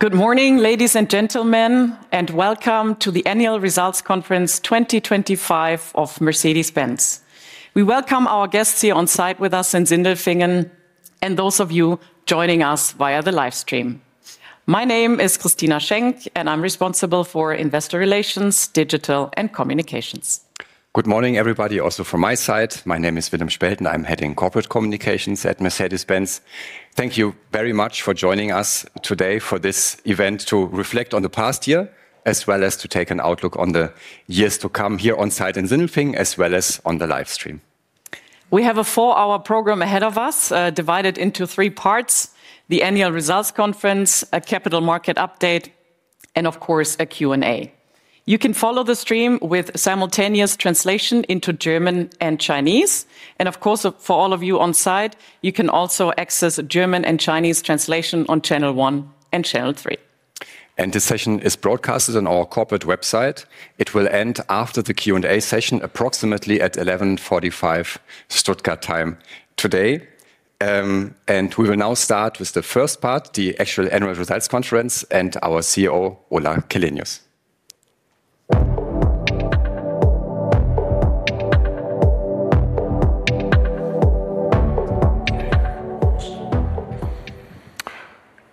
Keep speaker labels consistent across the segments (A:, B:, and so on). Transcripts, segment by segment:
A: Good morning, ladies and gentlemen, and welcome to the Annual Results Conference 2025 of Mercedes-Benz. We welcome our guests here on site with us in Sindelfingen, and those of you joining us via the live stream. My name is Christina Schenck, and I'm responsible for Investor Relations, Digital, and Communications.
B: Good morning, everybody, also from my side. My name is Willem Spelten. I'm heading Corporate Communications at Mercedes-Benz. Thank you very much for joining us today for this event to reflect on the past year, as well as to take an outlook on the years to come here on site in Sindelfingen, as well as on the live stream.
A: We have a four-hour program ahead of us, divided into three parts: the annual results conference, a capital market update, and of course, a Q&A. You can follow the stream with simultaneous translation into German and Chinese, and of course, for all of you on site, you can also access German and Chinese translation on Channel 1 and Channel 3.
B: This session is broadcasted on our corporate website. It will end after the Q&A session, approximately at 11:45 A.M. Stuttgart time today. We will now start with the first part, the actual annual results conference, and our CEO, Ola Källenius.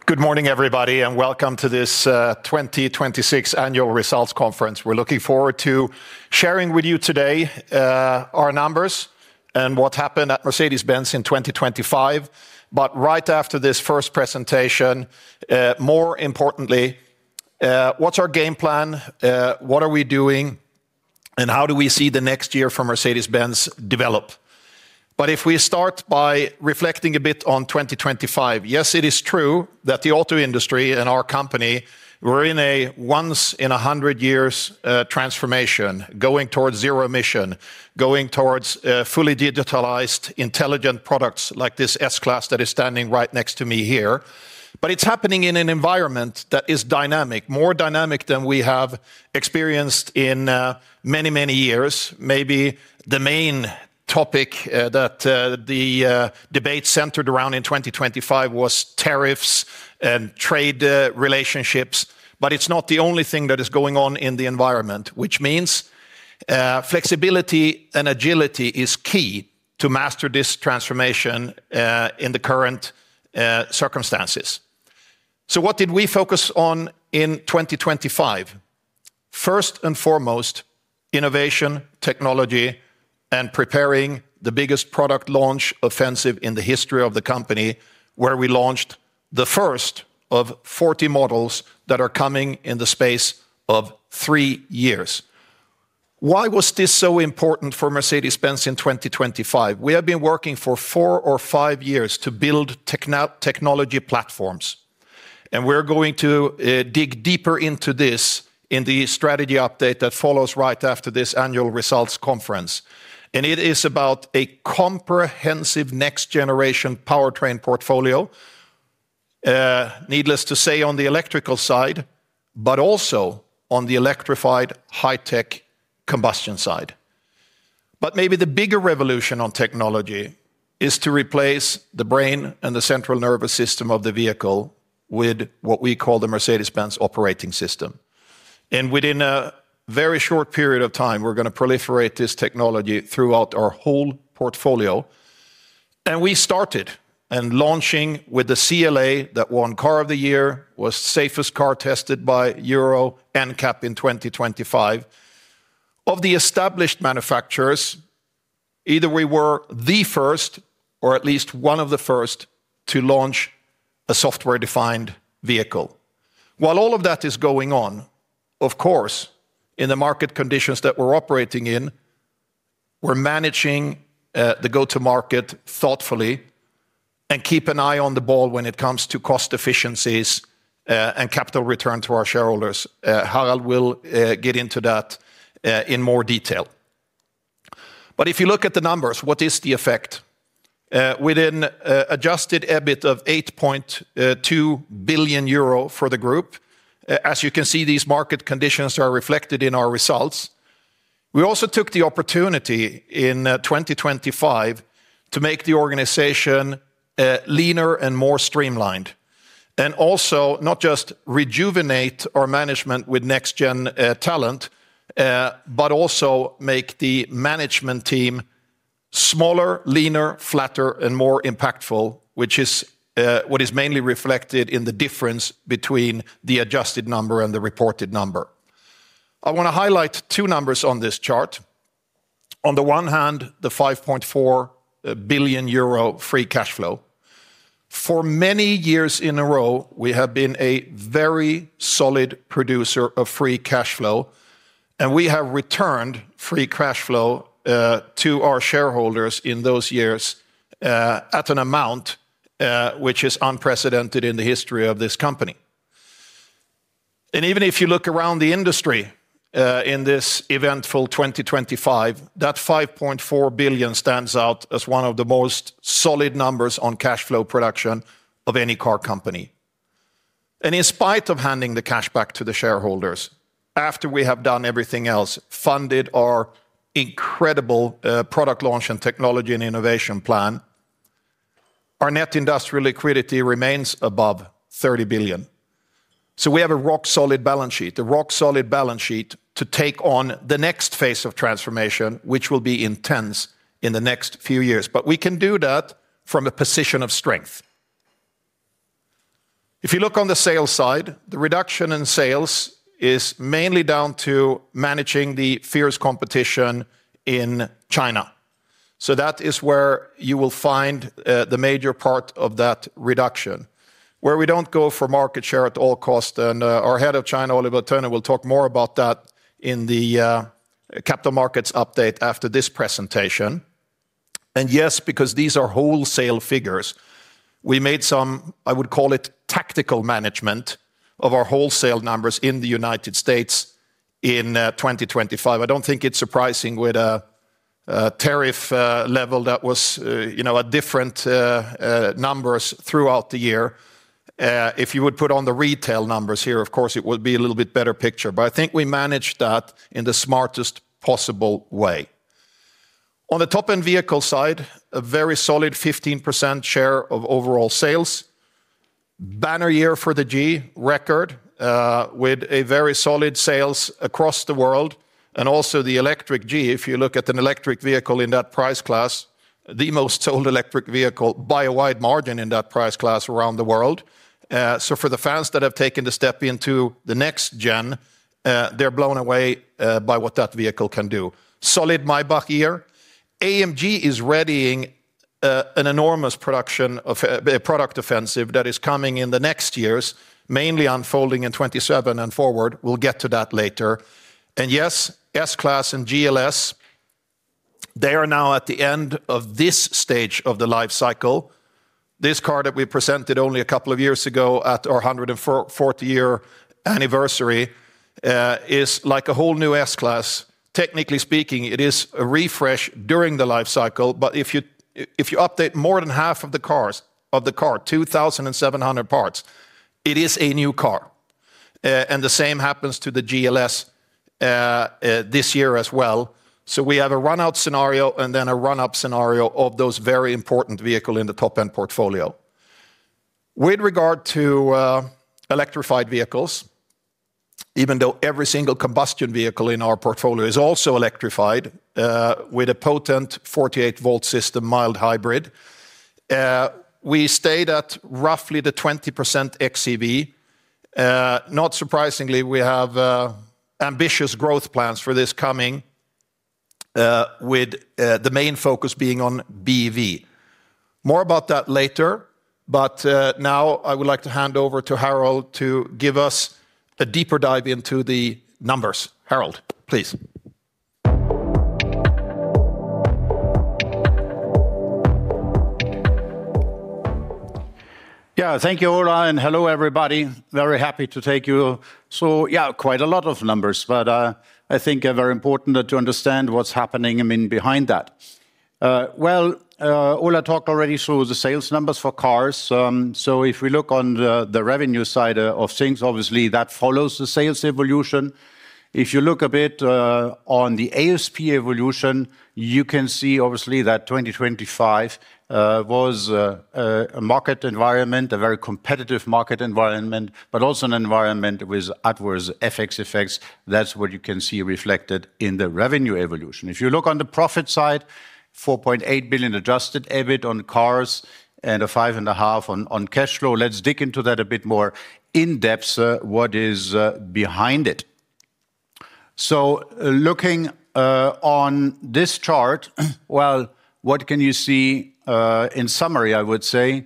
C: Good morning, everybody, and welcome to this 2026 annual results conference. We're looking forward to sharing with you today our numbers and what happened at Mercedes-Benz in 2025. But right after this first presentation, more importantly, what's our game plan, what are we doing, and how do we see the next year for Mercedes-Benz develop? But if we start by reflecting a bit on 2025, yes, it is true that the auto industry and our company, we're in a once-in-a-hundred-years transformation, going towards zero emission, going towards fully digitalized, intelligent products like this S-Class that is standing right next to me here. But it's happening in an environment that is dynamic, more dynamic than we have experienced in many, many years. Maybe the main topic that the debate centered around in 2025 was tariffs and trade relationships, but it's not the only thing that is going on in the environment, which means flexibility and agility is key to master this transformation in the current circumstances. So what did we focus on in 2025? First and foremost, innovation, technology, and preparing the biggest product launch offensive in the history of the company, where we launched the first of 40 models that are coming in the space of three years. Why was this so important for Mercedes-Benz in 2025? We have been working for four or five years to build technology platforms, and we're going to dig deeper into this in the strategy update that follows right after this annual results conference. It is about a comprehensive next-generation powertrain portfolio, needless to say, on the electrical side, but also on the electrified, high-tech combustion side. Maybe the bigger revolution on technology is to replace the brain and the central nervous system of the vehicle with what we call the Mercedes-Benz Operating System. Within a very short period of time, we're gonna proliferate this technology throughout our whole portfolio, and we started, and launching with the CLA, that won Car of the Year, was the safest car tested by Euro NCAP in 2025. Of the established manufacturers, either we were the first or at least one of the first to launch a software-defined vehicle. While all of that is going on, of course, in the market conditions that we're operating in, we're managing the go-to-market thoughtfully and keep an eye on the ball when it comes to cost efficiencies and capital return to our shareholders. Harald will get into that in more detail. But if you look at the numbers, what is the effect? With an adjusted EBIT of 8.2 billion euro for the group, as you can see, these market conditions are reflected in our results. We also took the opportunity in 2025 to make the organization leaner and more streamlined, and also not just rejuvenate our management with next-gen talent, but also make the management team smaller, leaner, flatter, and more impactful, which is what is mainly reflected in the difference between the adjusted number and the reported number. I wanna highlight two numbers on this chart. On the one hand, the 5.4 billion euro free cash flow. For many years in a row, we have been a very solid producer of free cash flow, and we have returned free cash flow to our shareholders in those years at an amount which is unprecedented in the history of this company. And even if you look around the industry in this eventful 2025, that 5.4 billion stands out as one of the most solid numbers on cash flow production of any car company. And in spite of handing the cash back to the shareholders, after we have done everything else, funded our incredible product launch and technology and innovation plan. Our net industrial liquidity remains above 30 billion. So we have a rock-solid balance sheet, a rock-solid balance sheet to take on the next phase of transformation, which will be intense in the next few years. But we can do that from a position of strength. If you look on the sales side, the reduction in sales is mainly down to managing the fierce competition in China. So that is where you will find, the major part of that reduction, where we don't go for market share at all cost. And, our Head of China, Oliver Thöne, will talk more about that in the, capital markets update after this presentation. And yes, because these are wholesale figures, we made some, I would call it, tactical management of our wholesale numbers in the United States in, 2025. I don't think it's surprising with a tariff level that was, you know, different numbers throughout the year. If you would put on the retail numbers here, of course, it would be a little bit better picture, but I think we managed that in the smartest possible way. On the Top-End vehicle side, a very solid 15% share of overall sales. Banner year for the G. Record with very solid sales across the world, and also the electric G. If you look at an electric vehicle in that price class, the most sold electric vehicle by a wide margin in that price class around the world. So for the fans that have taken the step into the next gen, they're blown away by what that vehicle can do. Solid Maybach year. AMG is readying an enormous production of a product offensive that is coming in the next years, mainly unfolding in 27 and forward. We'll get to that later. Yes, S-Class and GLS, they are now at the end of this stage of the life cycle. This car that we presented only a couple of years ago at our 140th-year anniversary is like a whole new S-Class. Technically speaking, it is a refresh during the life cycle, but if you, if you update more than half of the cars, of the car, 2,700 parts, it is a new car. And the same happens to the GLS this year as well. So we have a run-out scenario, and then a run-up scenario of those very important vehicle in the Top-End portfolio. With regard to electrified vehicles, even though every single combustion vehicle in our portfolio is also electrified with a potent 48-volt system, mild hybrid, we stayed at roughly the 20% xEV. Not surprisingly, we have ambitious growth plans for this coming with the main focus being on BEV. More about that later, but now I would like to hand over to Harald to give us a deeper dive into the numbers. Harald, please.
D: Yeah. Thank you, Ola, and hello, everybody. Very happy to take you. So yeah, quite a lot of numbers, but, I think they're very important to understand what's happening, I mean, behind that. Well, Ola talked already through the sales numbers for cars. So if we look on the, the revenue side, of things, obviously that follows the sales evolution. If you look a bit, on the ASP evolution, you can see obviously that 2025, was, a market environment, a very competitive market environment, but also an environment with adverse FX effects. That's what you can see reflected in the revenue evolution. If you look on the profit side, 4.8 billion adjusted EBIT on cars and a 5.5 billion on, on cash flow. Let's dig into that a bit more in depth, what is behind it. So looking on this chart, well, what can you see? In summary, I would say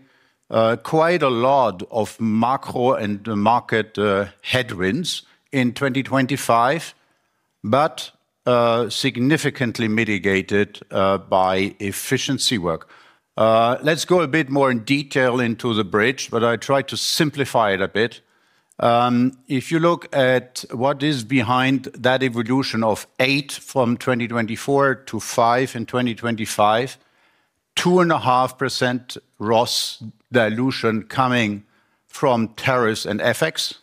D: quite a lot of macro and market headwinds in 2025, but significantly mitigated by efficiency work. Let's go a bit more in detail into the bridge, but I tried to simplify it a bit. If you look at what is behind that evolution of 8% from 2024 to 5% in 2025, 2.5% RoS dilution coming from tariffs and FX.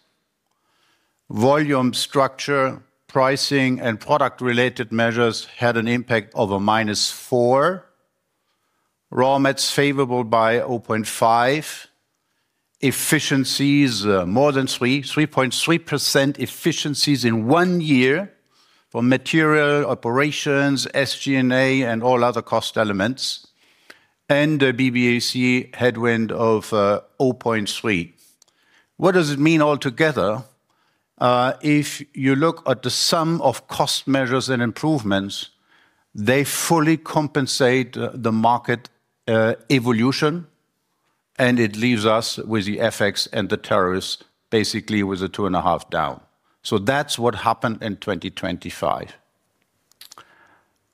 D: Volume structure, pricing, and product-related measures had an impact of -4. Raw mats, favorable by 0.5. Efficiencies, more than 3.3% efficiencies in one year for material, operations, SG&A, and all other cost elements, and a BBAC headwind of 0.3. What does it mean altogether? If you look at the sum of cost measures and improvements, they fully compensate the market evolution, and it leaves us with the FX and the tariffs, basically with a 2.5 down. So that's what happened in 2025.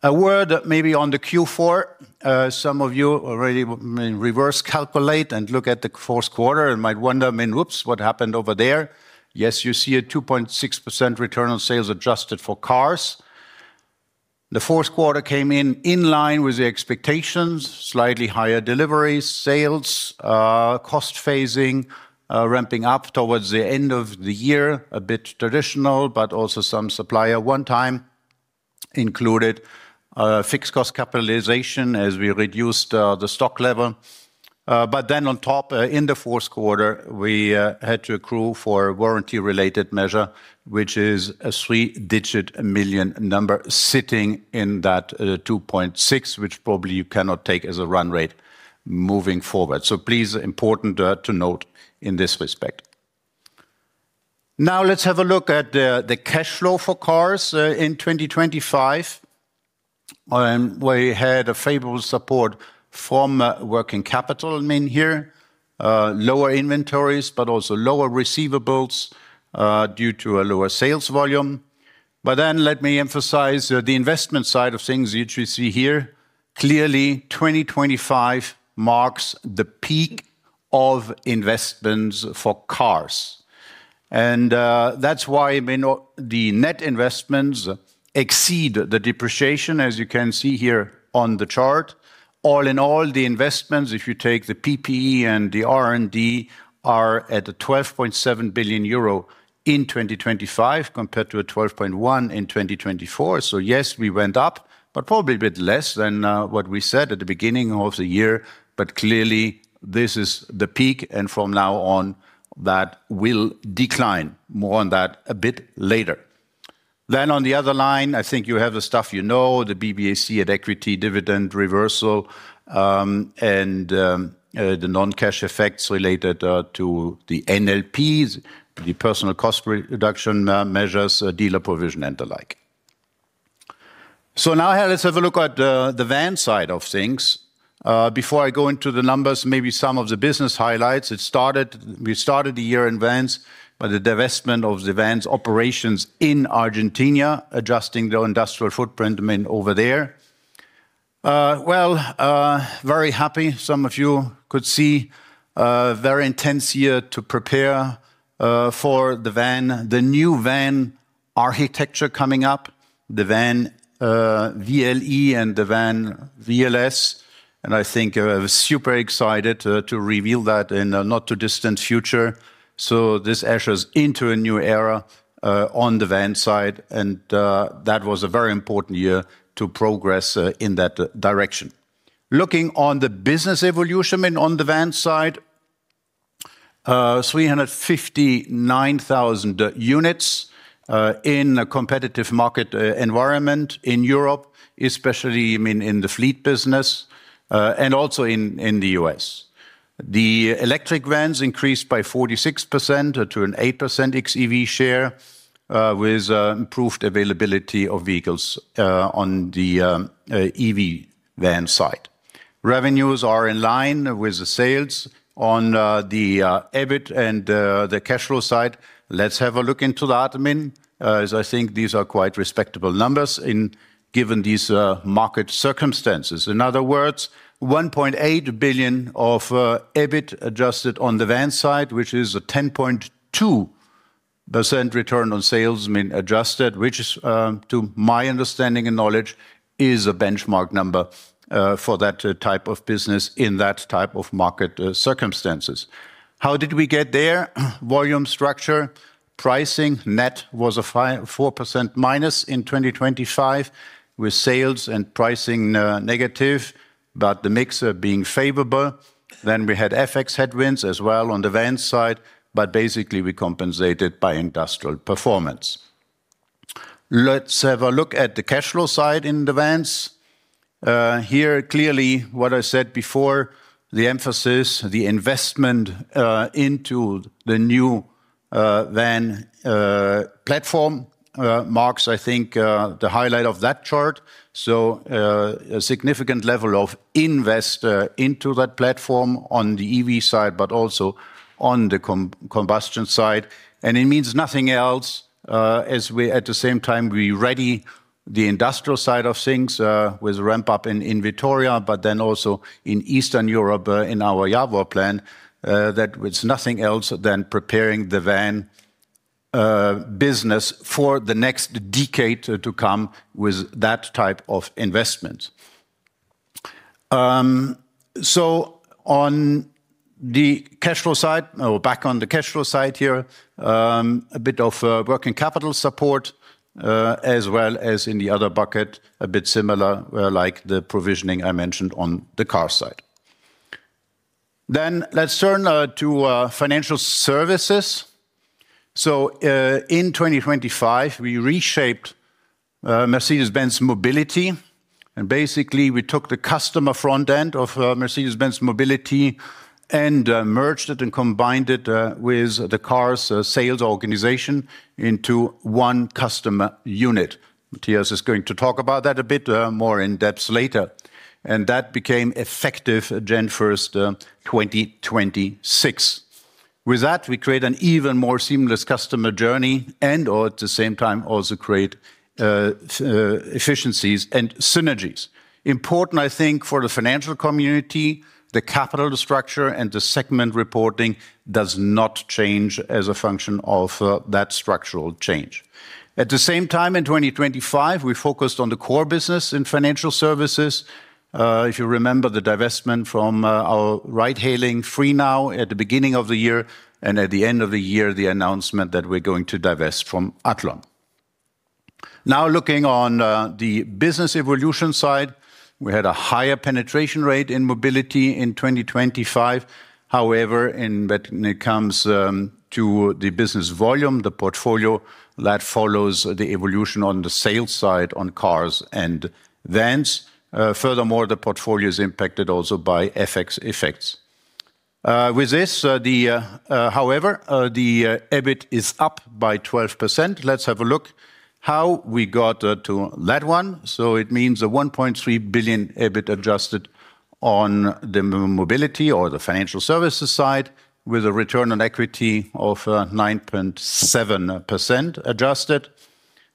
D: A word maybe on the Q4, some of you already may reverse calculate and look at the fourth quarter and might wonder, I mean, "Whoops, what happened over there?" Yes, you see a 2.6% return on sales adjusted for cars. The fourth quarter came in in line with the expectations, slightly higher deliveries, sales, cost phasing, ramping up towards the end of the year. A bit traditional, but also some supplier one-time included, fixed cost capitalization as we reduced the stock level. But then on top, in the fourth quarter, we had to accrue for a warranty-related measure, which is a three-digit million number sitting in that 2.6, which probably you cannot take as a run rate moving forward. So please, important to note in this respect. Now let's have a look at the cash flow for cars in 2025. We had a favorable support from working capital I mean, here. Lower inventories, but also lower receivables due to a lower sales volume. But then let me emphasize the investment side of things, which we see here. Clearly, 2025 marks the peak of investments for cars. That's why the net investments exceed the depreciation, as you can see here on the chart. All in all, the investments, if you take the PP&E and the R&D, are at 12.7 billion euro in 2025, compared to 12.1 billion in 2024. Yes, we went up, but probably a bit less than what we said at the beginning of the year, but clearly this is the peak, and from now on, that will decline. More on that a bit later. On the other line, I think you have the stuff you know, the BBAC at equity dividend reversal, and the non-cash effects related to the NLPs, the personnel cost reduction measures, dealer provision, and the like. Now here, let's have a look at the van side of things. Before I go into the numbers, maybe some of the business highlights. It started, we started the year in vans, by the divestment of the vans operations in Argentina, adjusting the industrial footprint I mean, over there. Well, very happy. Some of you could see, very intense year to prepare, for the van. The new van architecture coming up, the van, VLE and the van VLS, and I think I was super excited to reveal that in a not-too-distant future. So this ushers into a new era, on the van side, and, that was a very important year to progress, in that direction. Looking on the business evolution, I mean, on the van side, 359,000 units, in a competitive market environment in Europe, especially, I mean, in the fleet business, and also in, in the U.S. The electric vans increased by 46% to an 8% xEV share, with, improved availability of vehicles, on the, EV van side. Revenues are in line with the sales on, the, EBIT and, the cash flow side. Let's have a look into that, I mean, as I think these are quite respectable numbers in... given these, market circumstances. In other words, 1.8 billion of EBIT adjusted on the van side, which is a 10.2% return on sales, I mean, adjusted, which is, to my understanding and knowledge, a benchmark number, for that type of business in that type of market, circumstances. How did we get there? Volume, structure, pricing. Net was -4% in 2025, with sales and pricing negative, but the mix being favorable. Then we had FX headwinds as well on the van side, but basically, we compensated by industrial performance. Let's have a look at the cash flow side in the vans. Here, clearly, what I said before, the emphasis, the investment, into the new van platform, marks, I think, the highlight of that chart. So, a significant level of investment into that platform on the EV side, but also on the combustion side. And it means nothing else, as we at the same time, we ready the industrial side of things, with ramp up in Vitoria, but then also in Eastern Europe, in our Jawor plant, that it's nothing else than preparing the van business for the next decade to come with that type of investment. So on the cash flow side... Oh, back on the cash flow side here, a bit of working capital support, as well as in the other bucket, a bit similar, like the provisioning I mentioned on the car side. Then, let's turn to Financial Services. So, in 2025, we reshaped Mercedes-Benz Mobility, and basically, we took the customer front end of Mercedes-Benz Mobility and merged it and combined it with the Cars sales organization into one customer unit. Mathias is going to talk about that a bit more in depth later, and that became effective January 1st, 2026. With that, we create an even more seamless customer journey and, or at the same time, also create efficiencies and synergies. Important, I think, for the financial community, the capital structure, and the segment reporting does not change as a function of that structural change. At the same time, in 2025, we focused on the Core business in Financial Services. If you remember the divestment from our ride-hailing Free Now at the beginning of the year, and at the end of the year, the announcement that we're going to divest from Athlon. Now, looking on the business evolution side, we had a higher penetration rate in Mobility in 2025. However, when it comes to the business volume, the portfolio, that follows the evolution on the sales side, on cars and vans. Furthermore, the portfolio is impacted also by FX effects. With this, however, the EBIT is up by 12%. Let's have a look how we got to that one. So it means a 1.3 billion EBIT adjusted on the Mobility or the Financial Services side, with a return on equity of 9.7% adjusted.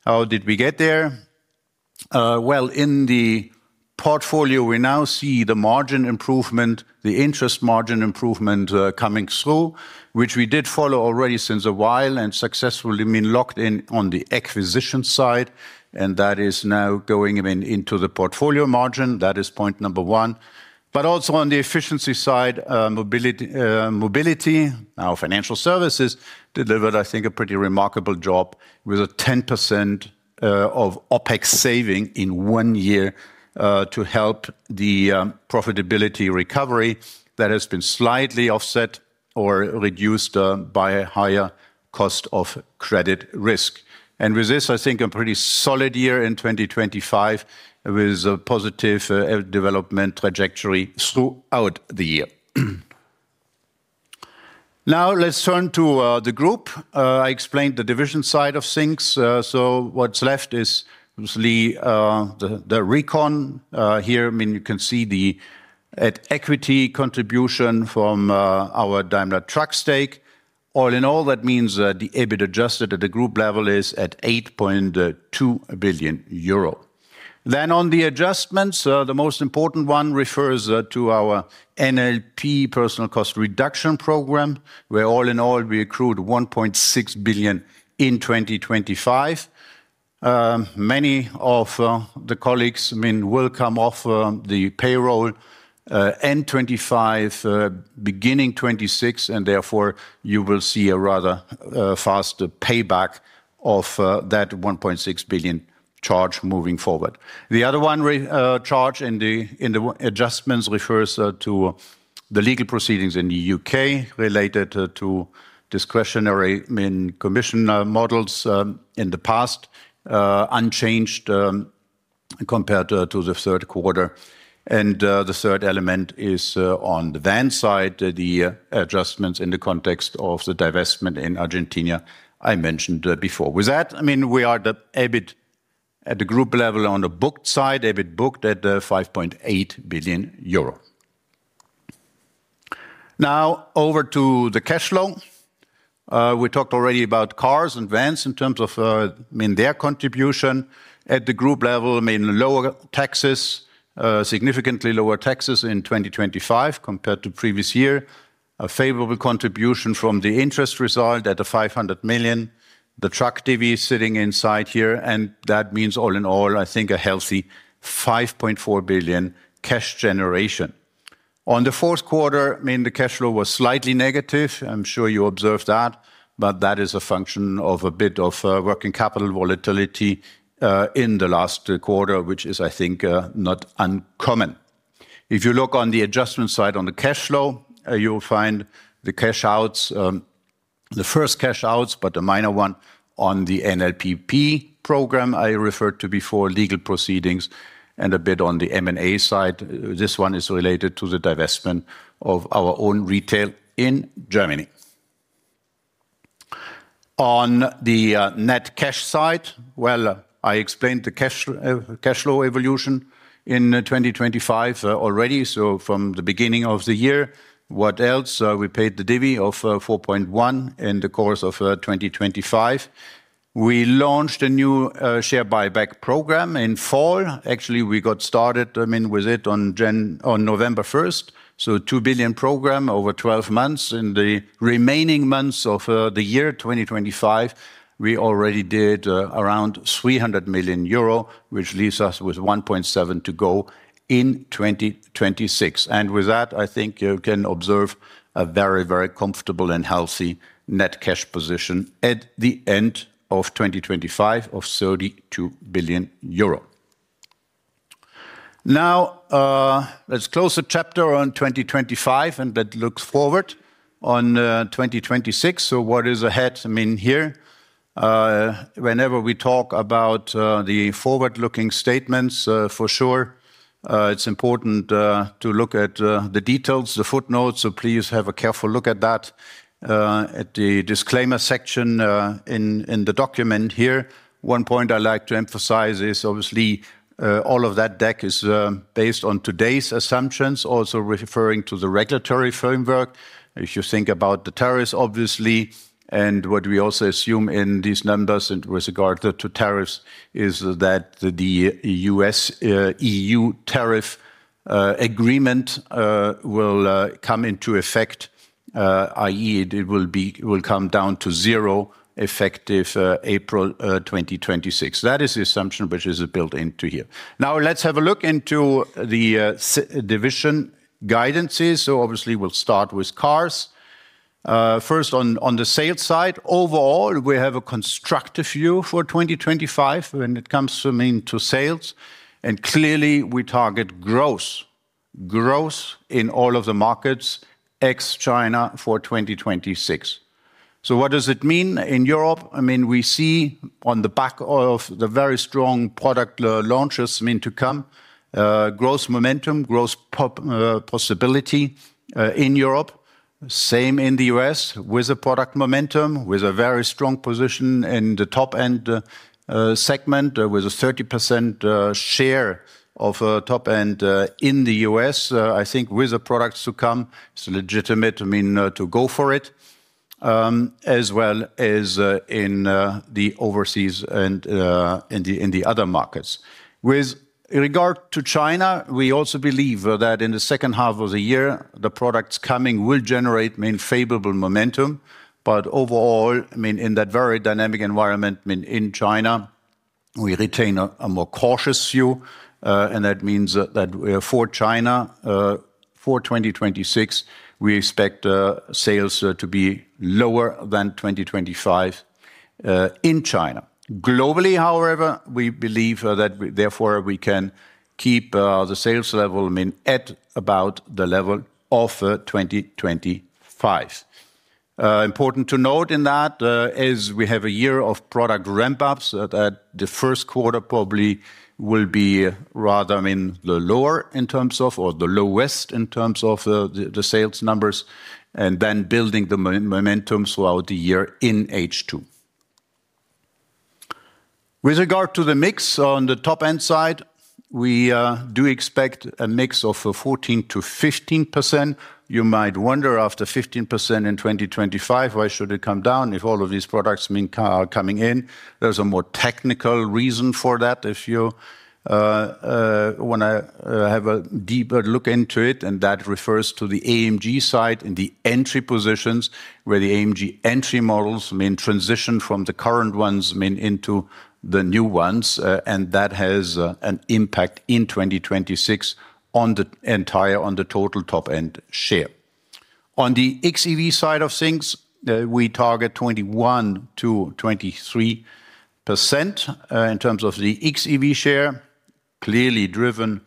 D: How did we get there? Well, in the portfolio, we now see the margin improvement, the interest margin improvement, coming through, which we did follow already since a while and successfully been locked in on the acquisition side, and that is now going, I mean, into the portfolio margin. That is point number one. But also on the efficiency side, Mobility, our Financial Services delivered, I think, a pretty remarkable job with a 10% of OpEx saving in one year, to help the profitability recovery that has been slightly offset or reduced by a higher cost of credit risk. And with this, I think a pretty solid year in 2025, with a positive development trajectory throughout the year. Now, let's turn to the group. I explained the division side of things, so what's left is obviously the recon. Here, I mean, you can see the at equity contribution from our Daimler Truck stake. All in all, that means that the EBIT adjusted at the group level is at 8.2 billion euro. Then on the adjustments, the most important one refers to our NLP personnel cost reduction program, where all in all, we accrued 1.6 billion in 2025. Many of the colleagues, I mean, will come off the payroll end 2025, beginning 2026, and therefore, you will see a rather faster payback of that 1.6 billion charge moving forward. The other charge in the adjustments refers to the legal proceedings in the U.K. related to discretionary, I mean, commission models in the past, unchanged compared to the third quarter. The third element is, on the van side, the adjustments in the context of the divestment in Argentina I mentioned, before. With that, I mean, we are the EBIT at the group level on the booked side, EBIT booked at 5.8 billion euro. Now, over to the cash flow. We talked already about cars and vans in terms of, I mean, their contribution at the group level, I mean, lower taxes, significantly lower taxes in 2025 compared to previous year. A favorable contribution from the interest result at 500 million, the truck divi sitting inside here, and that means all in all, I think a healthy 5.4 billion cash generation. On the fourth quarter, I mean, the cash flow was slightly negative. I'm sure you observed that, but that is a function of a bit of working capital volatility in the last quarter, which is, I think, not uncommon. If you look on the adjustment side, on the cash flow, you'll find the cash outs, the first cash outs, but a minor one on the NLPP program I referred to before, legal proceedings and a bit on the M&A side. This one is related to the divestment of our Own Retail in Germany. On the net cash side, well, I explained the cash flow evolution in 2025 already, so from the beginning of the year, what else? We paid the dividend of 4.1 in the course of 2025. We launched a new share buyback program in fall. Actually, we got started, I mean, with it on November first, so a 2 billion program over 12 months. In the remaining months of the year 2025, we already did around 300 million euro, which leaves us with 1.7 billion to go in 2026. And with that, I think you can observe a very, very comfortable and healthy net cash position at the end of 2025 of 32 billion euro. Now, let's close the chapter on 2025, and let's look forward on 2026. So what is ahead, I mean, here? Whenever we talk about the forward-looking statements, for sure, it's important to look at the details, the footnotes, so please have a careful look at that at the disclaimer section in the document here. One point I'd like to emphasize is, obviously, all of that deck is based on today's assumptions, also referring to the regulatory framework. If you think about the tariffs, obviously, and what we also assume in these numbers and with regard to tariffs, is that the U.S., EU tariff agreement will come into effect, i.e., it will come down to zero effective April 2026. That is the assumption which is built into here. Now, let's have a look into the segment guidances. So obviously, we'll start with cars. First on the sales side, overall, we have a constructive view for 2025 when it comes to unit sales, and clearly, we target growth in all of the markets, ex-China, for 2026. So what does it mean in Europe? I mean, we see on the back of the very strong product launches meant to come, growth momentum, growth potential, possibility in Europe. Same in the U.S., with a product momentum, with a very strong position in the Top-End segment, with a 30% share of Top-End in the U.S. I think with the products to come, it's legitimate, I mean, to go for it, as well as in the overseas and in the other markets. With regard to China, we also believe that in the second half of the year, the products coming will generate meaningful favorable momentum. But overall, I mean, in that very dynamic environment, I mean, in China, we retain a more cautious view, and that means that for China, for 2026, we expect sales to be lower than 2025 in China. Globally, however, we believe that we therefore we can keep the sales level, I mean, at about the level of 2025. Important to note in that is we have a year of product ramp-ups that the first quarter probably will be rather, I mean, the lower in terms of or the lowest in terms of the sales numbers, and then building the momentum throughout the year in H2. With regard to the mix, on the Top-End side, we do expect a mix of 14%-15%. You might wonder, after 15% in 2025, why should it come down if all of these products, I mean, are coming in? There's a more technical reason for that, if you want to have a deeper look into it, and that refers to the AMG side and the entry positions, where the AMG entry models, I mean, transition from the current ones, I mean, into the new ones, and that has an impact in 2026 on the entire... on the total Top-End share. On the xEV side of things, we target 21%-23% in terms of the xEV share, clearly driven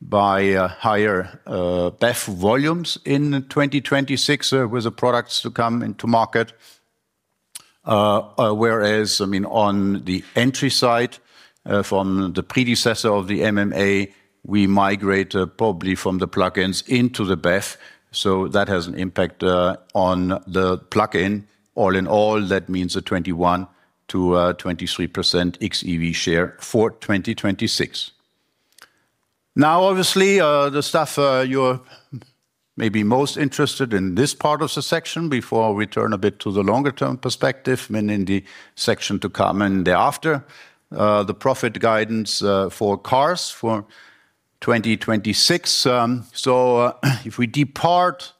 D: by higher BEV volumes in 2026, with the products to come into market. Whereas, I mean, on the entry side, from the predecessor of the MMA, we migrate, probably from the plug-ins into the BEV, so that has an impact on the plug-in. All in all, that means a 21%-23% xEV share for 2026. Now, obviously, the stuff you're maybe most interested in this part of the section before we turn a bit to the longer-term perspective, I mean, in the section to come and thereafter, the profit guidance for cars for 2026. So, if we depart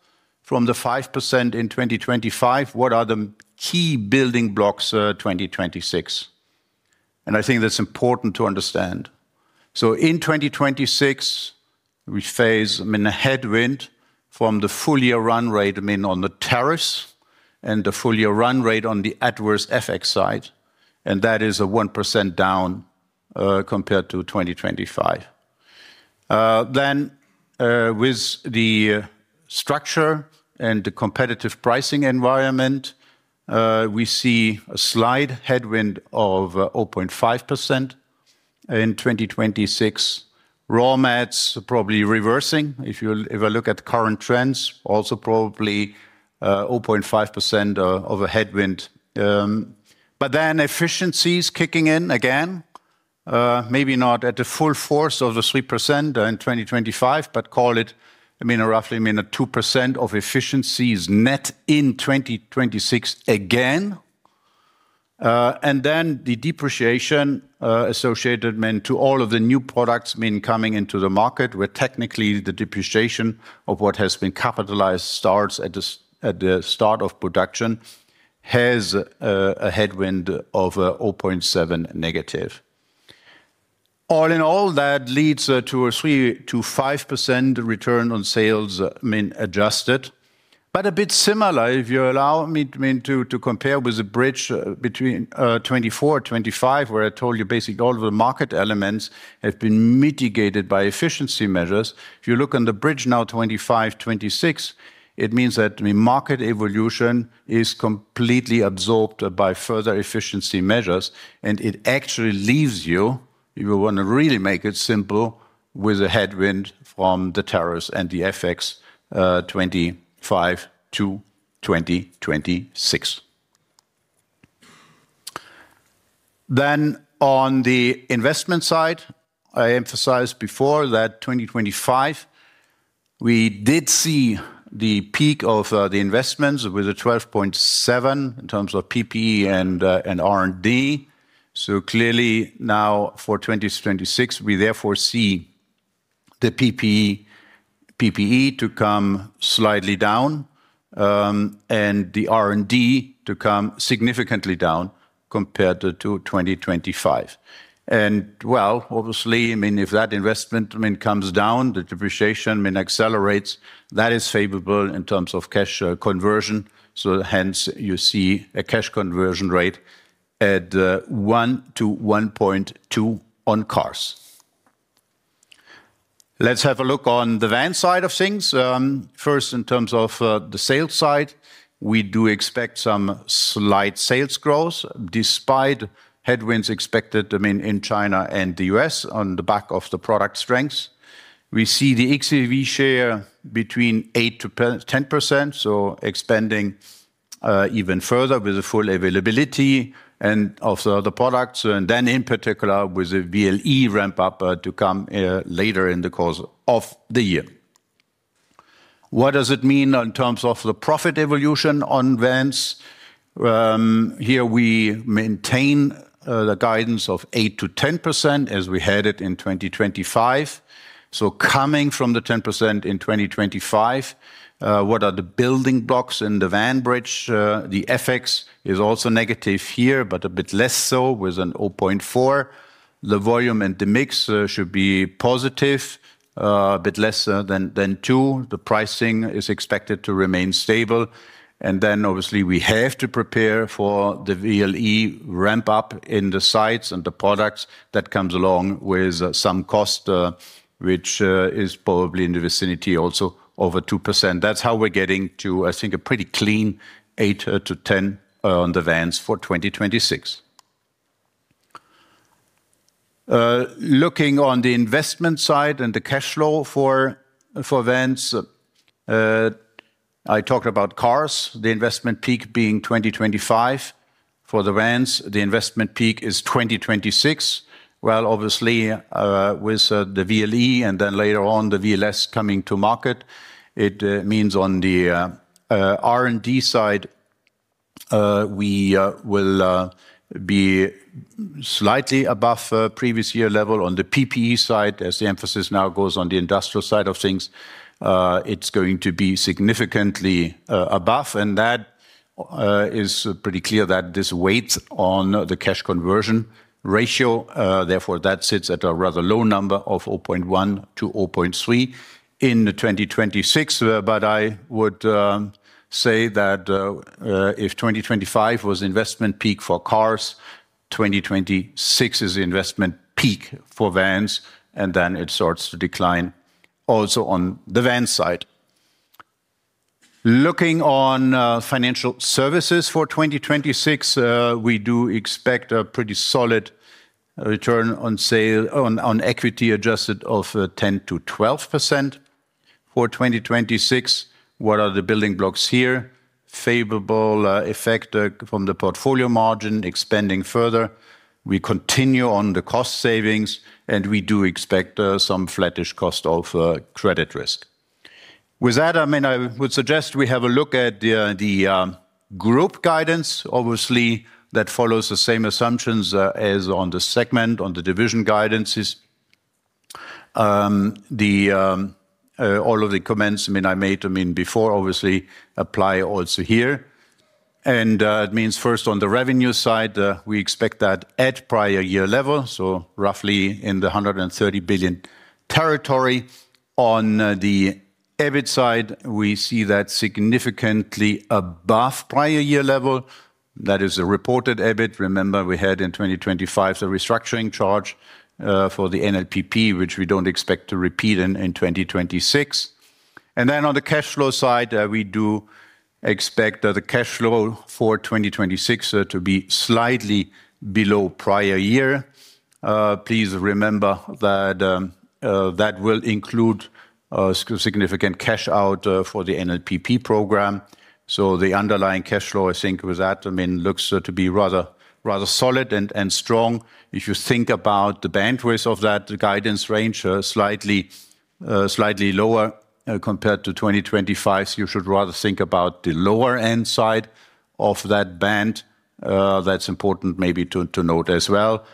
D: from the 5% in 2025, what are the key building blocks, 2026? And I think that's important to understand. So in 2026, we face, I mean, a headwind from the full-year run rate, I mean, on the tariffs and the full-year run rate on the adverse FX side, and that is a 1% down compared to 2025. Then, with the structure and the competitive pricing environment, we see a slight headwind of 0.5% in 2026. Raw mats, probably reversing. If you look at current trends, also probably 0.5% of a headwind. But then efficiency is kicking in again, maybe not at the full force of the 3% in 2025, but call it, I mean, roughly, I mean, a 2% of efficiency is net in 2026 again. And then the depreciation associated, I mean, to all of the new products, I mean, coming into the market, where technically the depreciation of what has been capitalized starts at the start of production, has a headwind of -0.7. All in all, that leads to a 3%-5% return on sales, I mean, adjusted, but a bit similar, if you allow me, I mean, to, to compare with the bridge between 2024-2025, where I told you basically all of the market elements have been mitigated by efficiency measures. If you look on the bridge now, 2025, 2026, it means that, I mean, market evolution is completely absorbed by further efficiency measures, and it actually leaves you, if you want to really make it simple, with a headwind from the tariffs and the FX, 2025 to 2026. Then on the investment side, I emphasized before that 2025, we did see the peak of the investments with a 12.7 in terms of PP&E and R&D. So clearly now for 2026, we therefore see the PP&E to come slightly down, and the R&D to come significantly down compared to 2025. And, well, obviously, I mean, if that investment, I mean, comes down, the depreciation, I mean, accelerates, that is favorable in terms of cash conversion. Hence you see a cash conversion rate at 1 to 1.2 on cars. Let's have a look on the van side of things. First, in terms of the sales side, we do expect some slight sales growth despite headwinds expected, I mean, in China and the U.S. on the back of the product strengths. We see the xEV share between 8%-10%, so expanding even further with the full availability and of the other products, and then in particular, with the VLE ramp up to come later in the course of the year. What does it mean in terms of the profit evolution on vans? Here we maintain the guidance of 8%-10%, as we had it in 2025. So coming from the 10% in 2025, what are the building blocks in the van bridge? The FX is also negative here, but a bit less so with a -0.4. The volume and the mix should be positive, a bit less than 2. The pricing is expected to remain stable, and then obviously we have to prepare for the VLE ramp up in the sites and the products that comes along with some cost, which is probably in the vicinity, also over 2%. That's how we're getting to, I think, a pretty clean 8-10 on the vans for 2026. Looking on the investment side and the cash flow for vans, I talked about cars, the investment peak being 2025. For the vans, the investment peak is 2026, while obviously, with the VLE and then later on the VLS coming to market, it means on the R&D side, we will be slightly above previous year level. On the PP&E side, as the emphasis now goes on the industrial side of things, it's going to be significantly above, and that is pretty clear that this weighs on the cash conversion ratio. Therefore, that sits at a rather low number of 0.1-0.3 in 2026. But I would say that if 2025 was investment peak for cars, 2026 is the investment peak for vans, and then it starts to decline also on the van side. Looking on Financial Services for 2026, we do expect a pretty solid return on sale on equity adjusted of 10%-12% for 2026. What are the building blocks here? Favorable effect from the portfolio margin expanding further. We continue on the cost savings, and we do expect some flattish cost of credit risk. With that, I mean, I would suggest we have a look at the group guidance. Obviously, that follows the same assumptions as on the segment, on the division guidances. All of the comments, I mean, I made, I mean, before obviously apply also here. And it means first on the revenue side, we expect that at prior year level, so roughly in the 130 billion territory. On the EBIT side, we see that significantly above prior year level. That is a reported EBIT. Remember, we had in 2025 the restructuring charge for the NLPP, which we don't expect to repeat in 2026. And then on the cash flow side, we do expect the cash flow for 2026 to be slightly below prior year. Please remember that that will include significant cash out for the NLPP program. So the underlying cash flow, I think with that, I mean, looks to be rather solid and strong. If you think about the bandwidth of that guidance range, slightly lower compared to 2025. So you should rather think about the lower end side of that band. That's important maybe to note as well.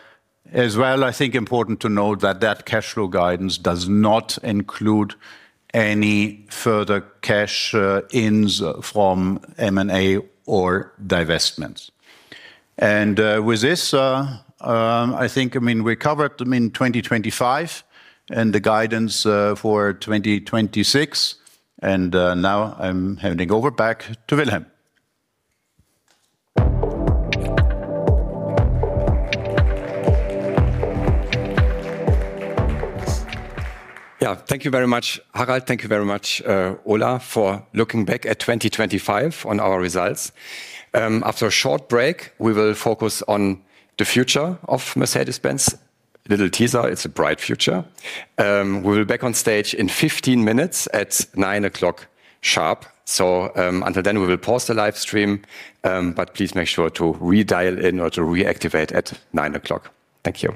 D: As well, I think important to note that that cash flow guidance does not include any further cash ins from M&A or divestments. With this, I think, I mean, we covered, I mean, 2025 and the guidance for 2026, and now I'm handing over back to Willem.
B: Yeah. Thank you very much, Harald. Thank you very much, Ola, for looking back at 2025 on our results. After a short break, we will focus on the future of Mercedes-Benz. Little teaser, it's a bright future. We'll be back on stage in 15 minutes at 9:00 sharp. So, until then, we will pause the live stream, but please make sure to redial in or to reactivate at 9:00. Thank you.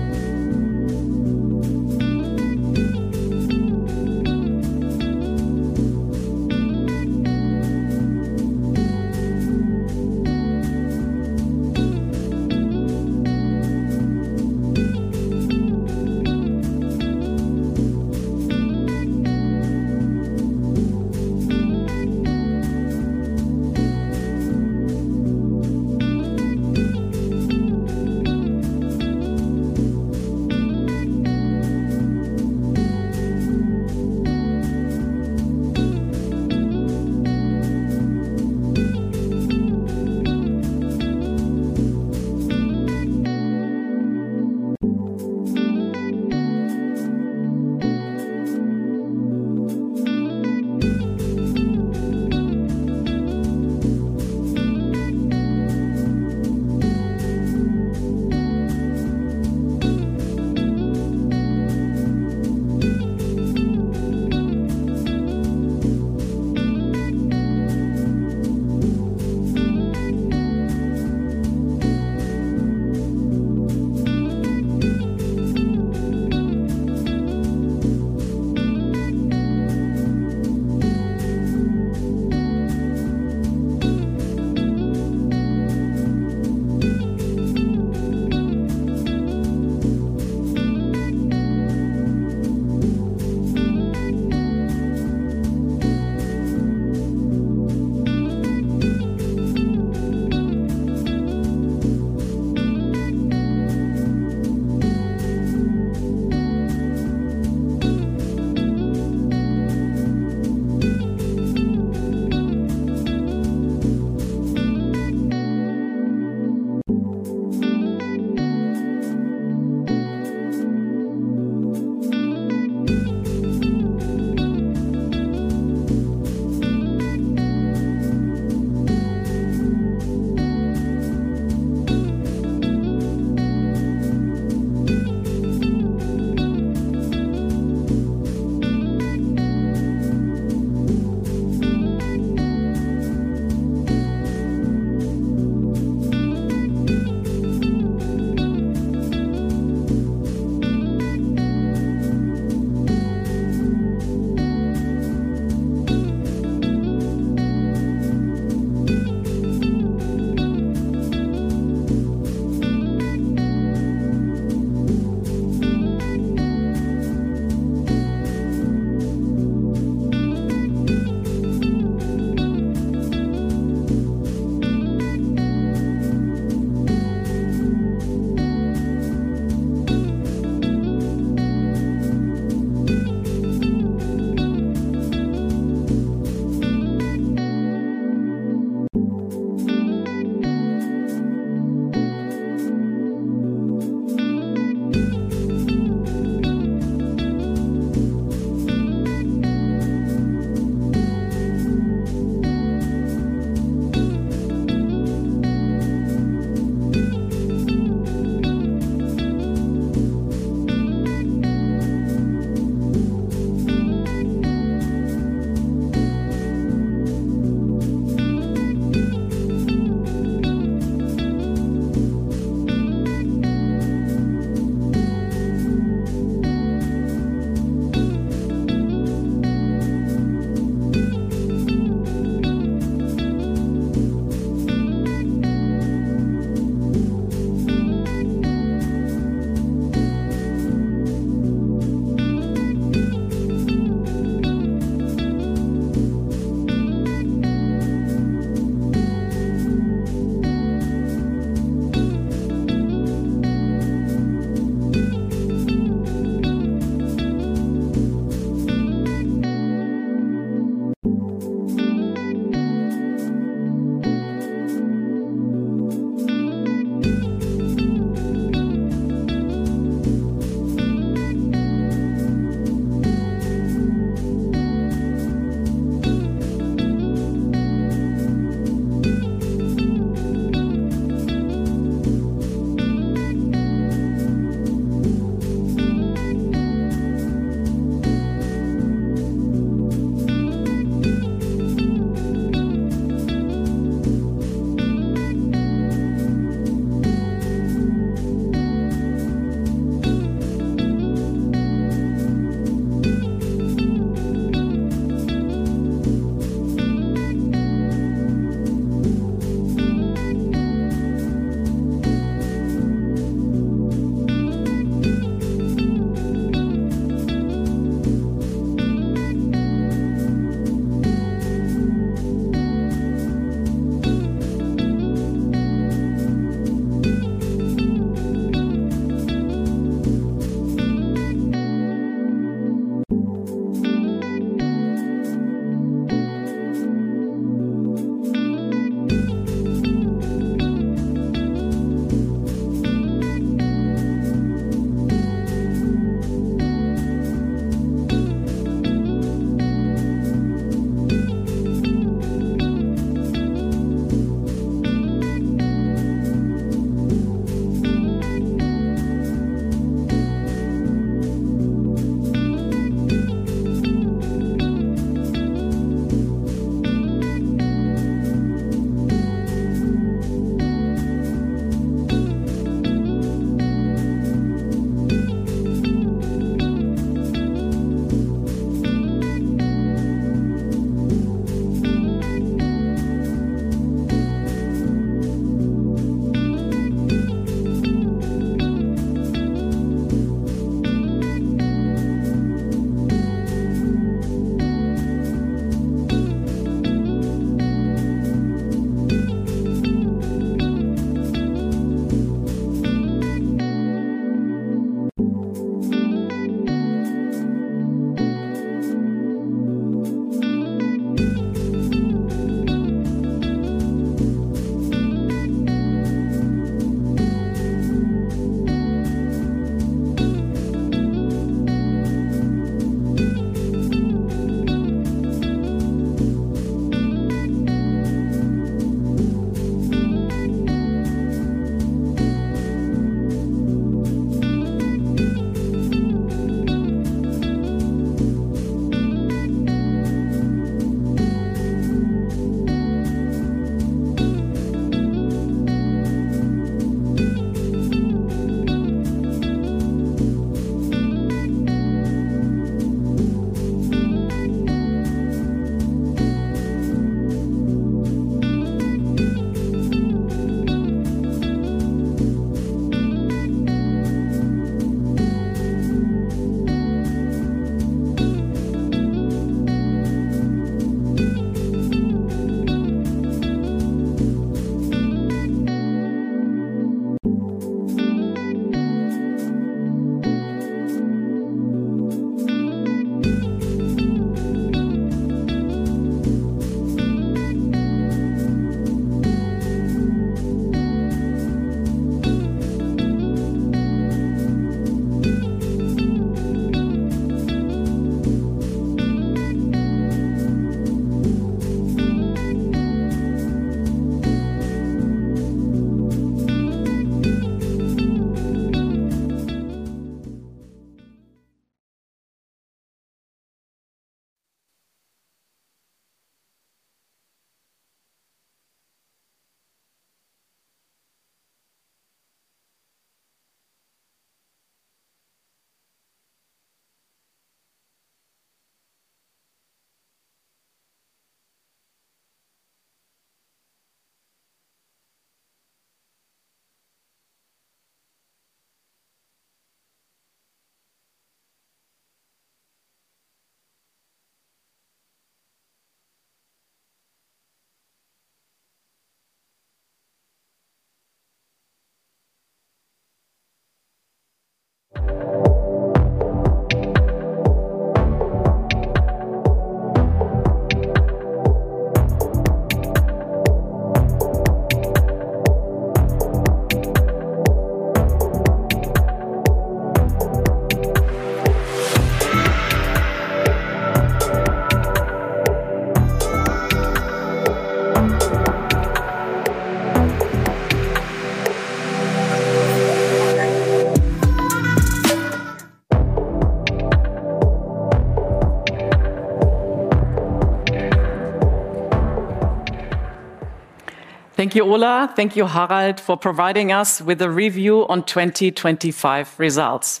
A: Thank you, Ola. Thank you, Harald, for providing us with a review on 2025 results.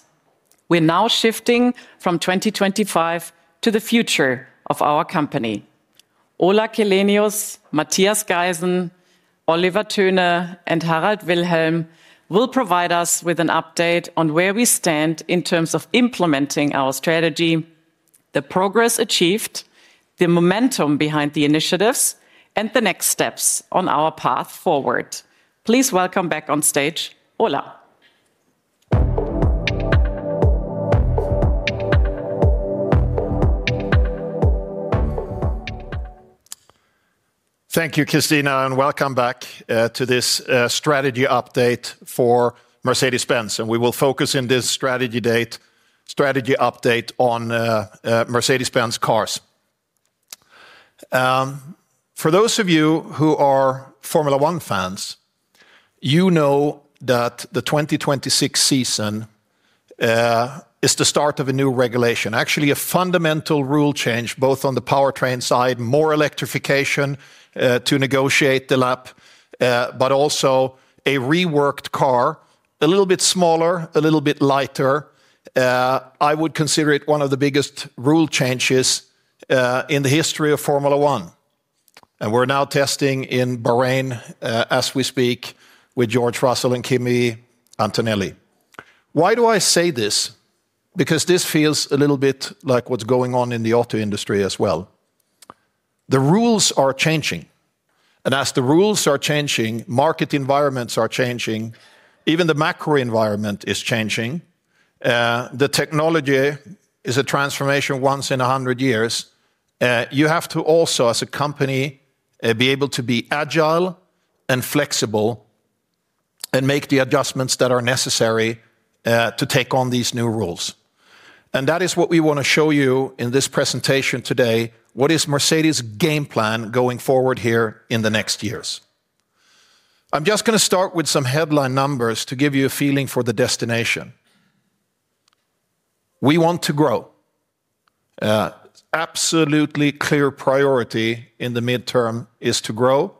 A: We're now shifting from 2025 to the future of our company. Ola Källenius, Mathias Geisen, Oliver Thöne, and Harald Wilhelm will provide us with an update on where we stand in terms of implementing our strategy, the progress achieved, the momentum behind the initiatives, and the next steps on our path forward. Please welcome back on stage, Ola.
C: Thank you, Christina, and welcome back to this strategy update for Mercedes-Benz. We will focus in this strategy update on Mercedes-Benz cars. For those of you who are Formula One fans, you know that the 2026 season is the start of a new regulation. Actually, a fundamental rule change, both on the powertrain side, more electrification to negotiate the lap, but also a reworked car, a little bit smaller, a little bit lighter. I would consider it one of the biggest rule changes in the history of Formula One, and we're now testing in Bahrain as we speak with George Russell and Kimi Antonelli. Why do I say this? Because this feels a little bit like what's going on in the auto industry as well. The rules are changing, and as the rules are changing, market environments are changing, even the macro environment is changing. The technology is a transformation once in a hundred years. You have to also, as a company, be able to be agile and flexible, and make the adjustments that are necessary, to take on these new rules. And that is what we wanna show you in this presentation today: what is Mercedes' game plan going forward here in the next years? I'm just gonna start with some headline numbers to give you a feeling for the destination. We want to grow. Absolutely clear priority in the midterm is to grow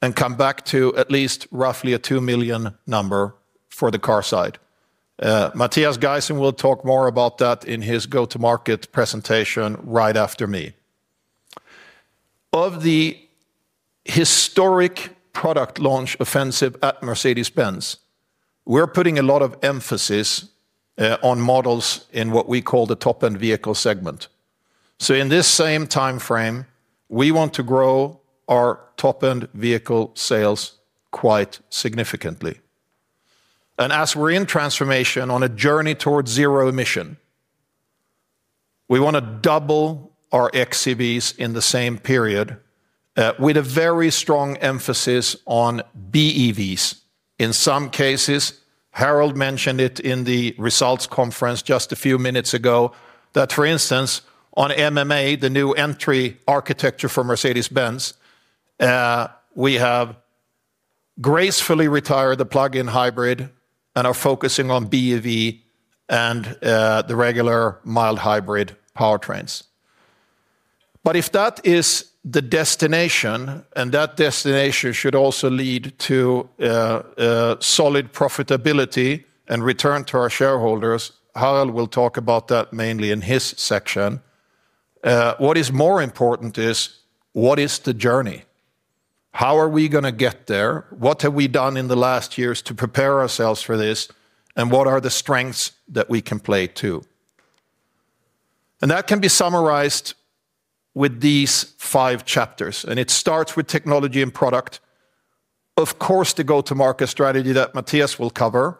C: and come back to at least roughly a 2 million number for the car side. Mathias Geisen will talk more about that in his go-to-market presentation right after me. Of the historic product launch offensive at Mercedes-Benz, we're putting a lot of emphasis on models in what we call the Top-End vehicle segment. So in this same timeframe, we want to grow our Top-End vehicle sales quite significantly. And as we're in transformation on a journey towards zero emission, we want to double our xEVs in the same period with a very strong emphasis on BEVs. In some cases, Harald mentioned it in the results conference just a few minutes ago, that, for instance, on MMA, the new entry architecture for Mercedes-Benz, we have gracefully retired the plug-in hybrid and are focusing on BEV and the regular mild hybrid powertrains. But if that is the destination, and that destination should also lead to solid profitability and return to our shareholders, Harald will talk about that mainly in his section. What is more important is: What is the journey? How are we gonna get there? What have we done in the last years to prepare ourselves for this, and what are the strengths that we can play to? That can be summarized with these five chapters, and it starts with technology and product. Of course, the go-to-market strategy that Mathias will cover.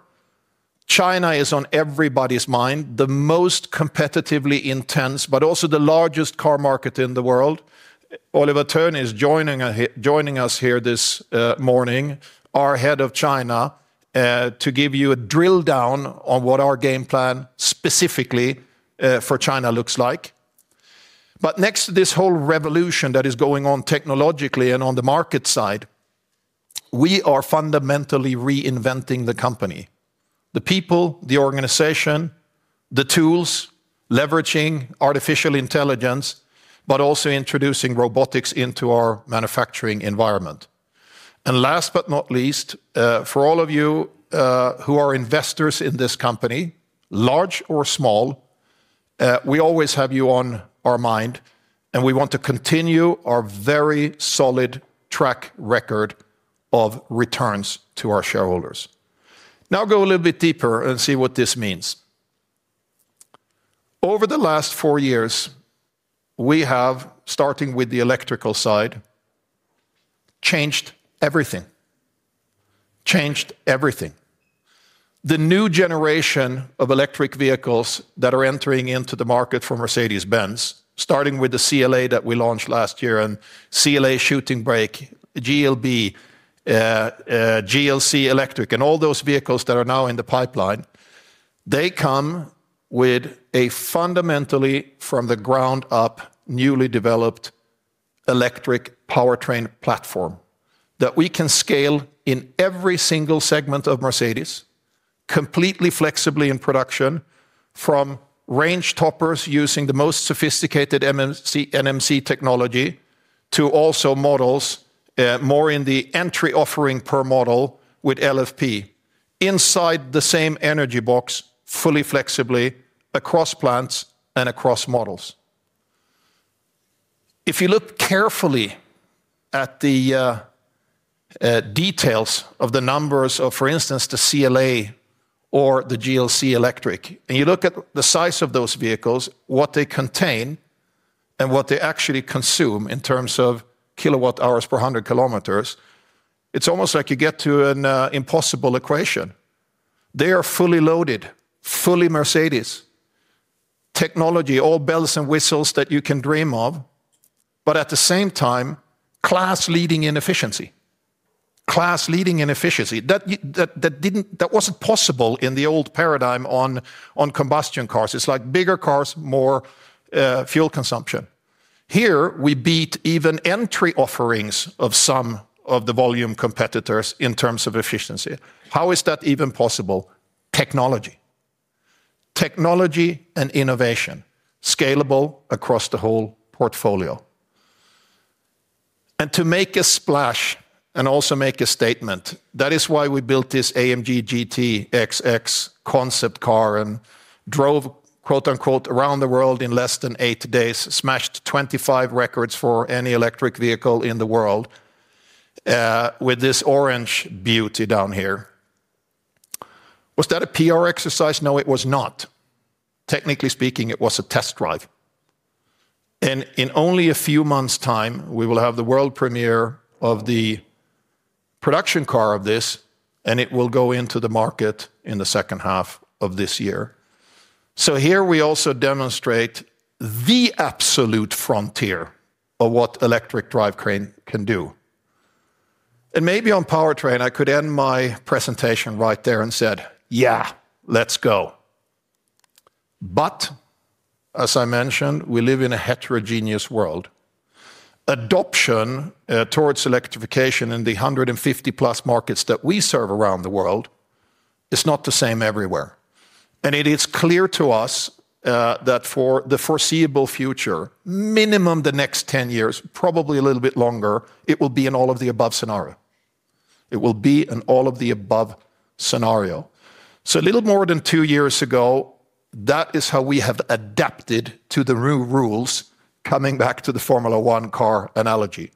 C: China is on everybody's mind, the most competitively intense, but also the largest car market in the world. Oliver Thöne is joining us joining us here this morning, our head of China, to give you a drill-down on what our game plan specifically for China looks like. But next to this whole revolution that is going on technologically and on the market side, we are fundamentally reinventing the company, the people, the organization, the tools, leveraging artificial intelligence, but also introducing robotics into our manufacturing environment. And last but not least, for all of you, who are investors in this company, large or small, we always have you on our mind, and we want to continue our very solid track record of returns to our shareholders. Now go a little bit deeper and see what this means. Over the last four years, we have, starting with the electrical side, changed everything. Changed everything. The new generation of electric vehicles that are entering into the market for Mercedes-Benz, starting with the CLA that we launched last year and CLA Shooting Brake, GLB, GLC electric, and all those vehicles that are now in the pipeline, they come with a fundamentally, from the ground up, newly developed electric powertrain platform that we can scale in every single segment of Mercedes, completely flexibly in production, from range toppers using the most sophisticated NMC technology, to also models, more in the entry offering per model with LFP, inside the same energy box, fully flexibly across plants and across models. If you look carefully at the details of the numbers of, for instance, the CLA or the GLC electric, and you look at the size of those vehicles, what they contain and what they actually consume in terms of kWh per 100 km, it's almost like you get to an impossible equation. They are fully loaded, fully Mercedes. Technology, all bells and whistles that you can dream of, but at the same time, class-leading in efficiency. Class-leading in efficiency, that didn't, that wasn't possible in the old paradigm on combustion cars. It's like bigger cars, more fuel consumption. Here, we beat even entry offerings of some of the volume competitors in terms of efficiency. How is that even possible? Technology. Technology and innovation, scalable across the whole portfolio. And to make a splash and also make a statement, that is why we built this AMG GT XX concept car and drove, quote, unquote, "around the world in less than eight days," smashed 25 records for any electric vehicle in the world, with this orange beauty down here. Was that a PR exercise? No, it was not. Technically speaking, it was a test drive. And in only a few months' time, we will have the world premiere of the production car of this, and it will go into the market in the second half of this year. So here we also demonstrate the absolute frontier of what electric drivetrain can do. And maybe on powertrain, I could end my presentation right there and said: "Yeah, let's go!" But as I mentioned, we live in a heterogeneous world. Adoption toward electrification in the 150+ markets that we serve around the world is not the same everywhere, and it is clear to us that for the foreseeable future, minimum the next 10 years, probably a little bit longer, it will be an all-of-the-above scenario. It will be an all-of-the-above scenario. So a little more than two years ago, that is how we have adapted to the new rules, coming back to the Formula One car analogy.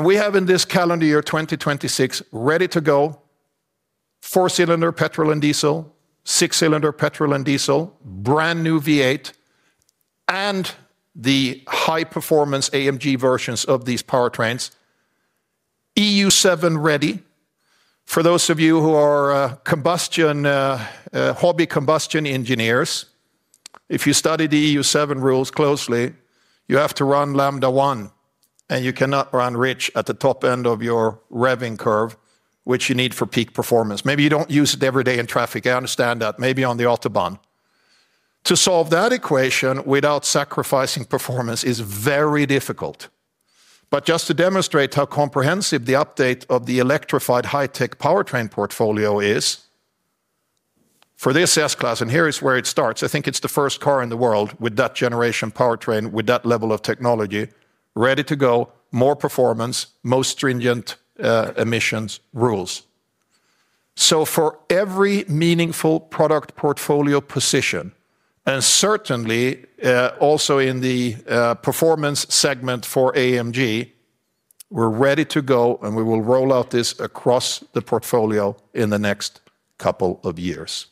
C: We have in this calendar year, 2026, ready to go, 4-cylinder petrol and diesel, 6-cylinder petrol and diesel, brand-new V8, and the high-performance AMG versions of these powertrains. EU7 ready. For those of you who are hobby combustion engineers, if you study the EU7 rules closely, you have to run Lambda 1, and you cannot run rich at the Top-End of your revving curve, which you need for peak performance. Maybe you don't use it every day in traffic, I understand that. Maybe on the Autobahn. To solve that equation without sacrificing performance is very difficult. But just to demonstrate how comprehensive the update of the electrified high-tech powertrain portfolio is, for this S-Class, and here is where it starts, I think it's the first car in the world with that generation powertrain, with that level of technology, ready to go, more performance, most stringent emissions rules. So for every meaningful product portfolio position, and certainly, also in the performance segment for AMG, we're ready to go, and we will roll out this across the portfolio in the next couple of years.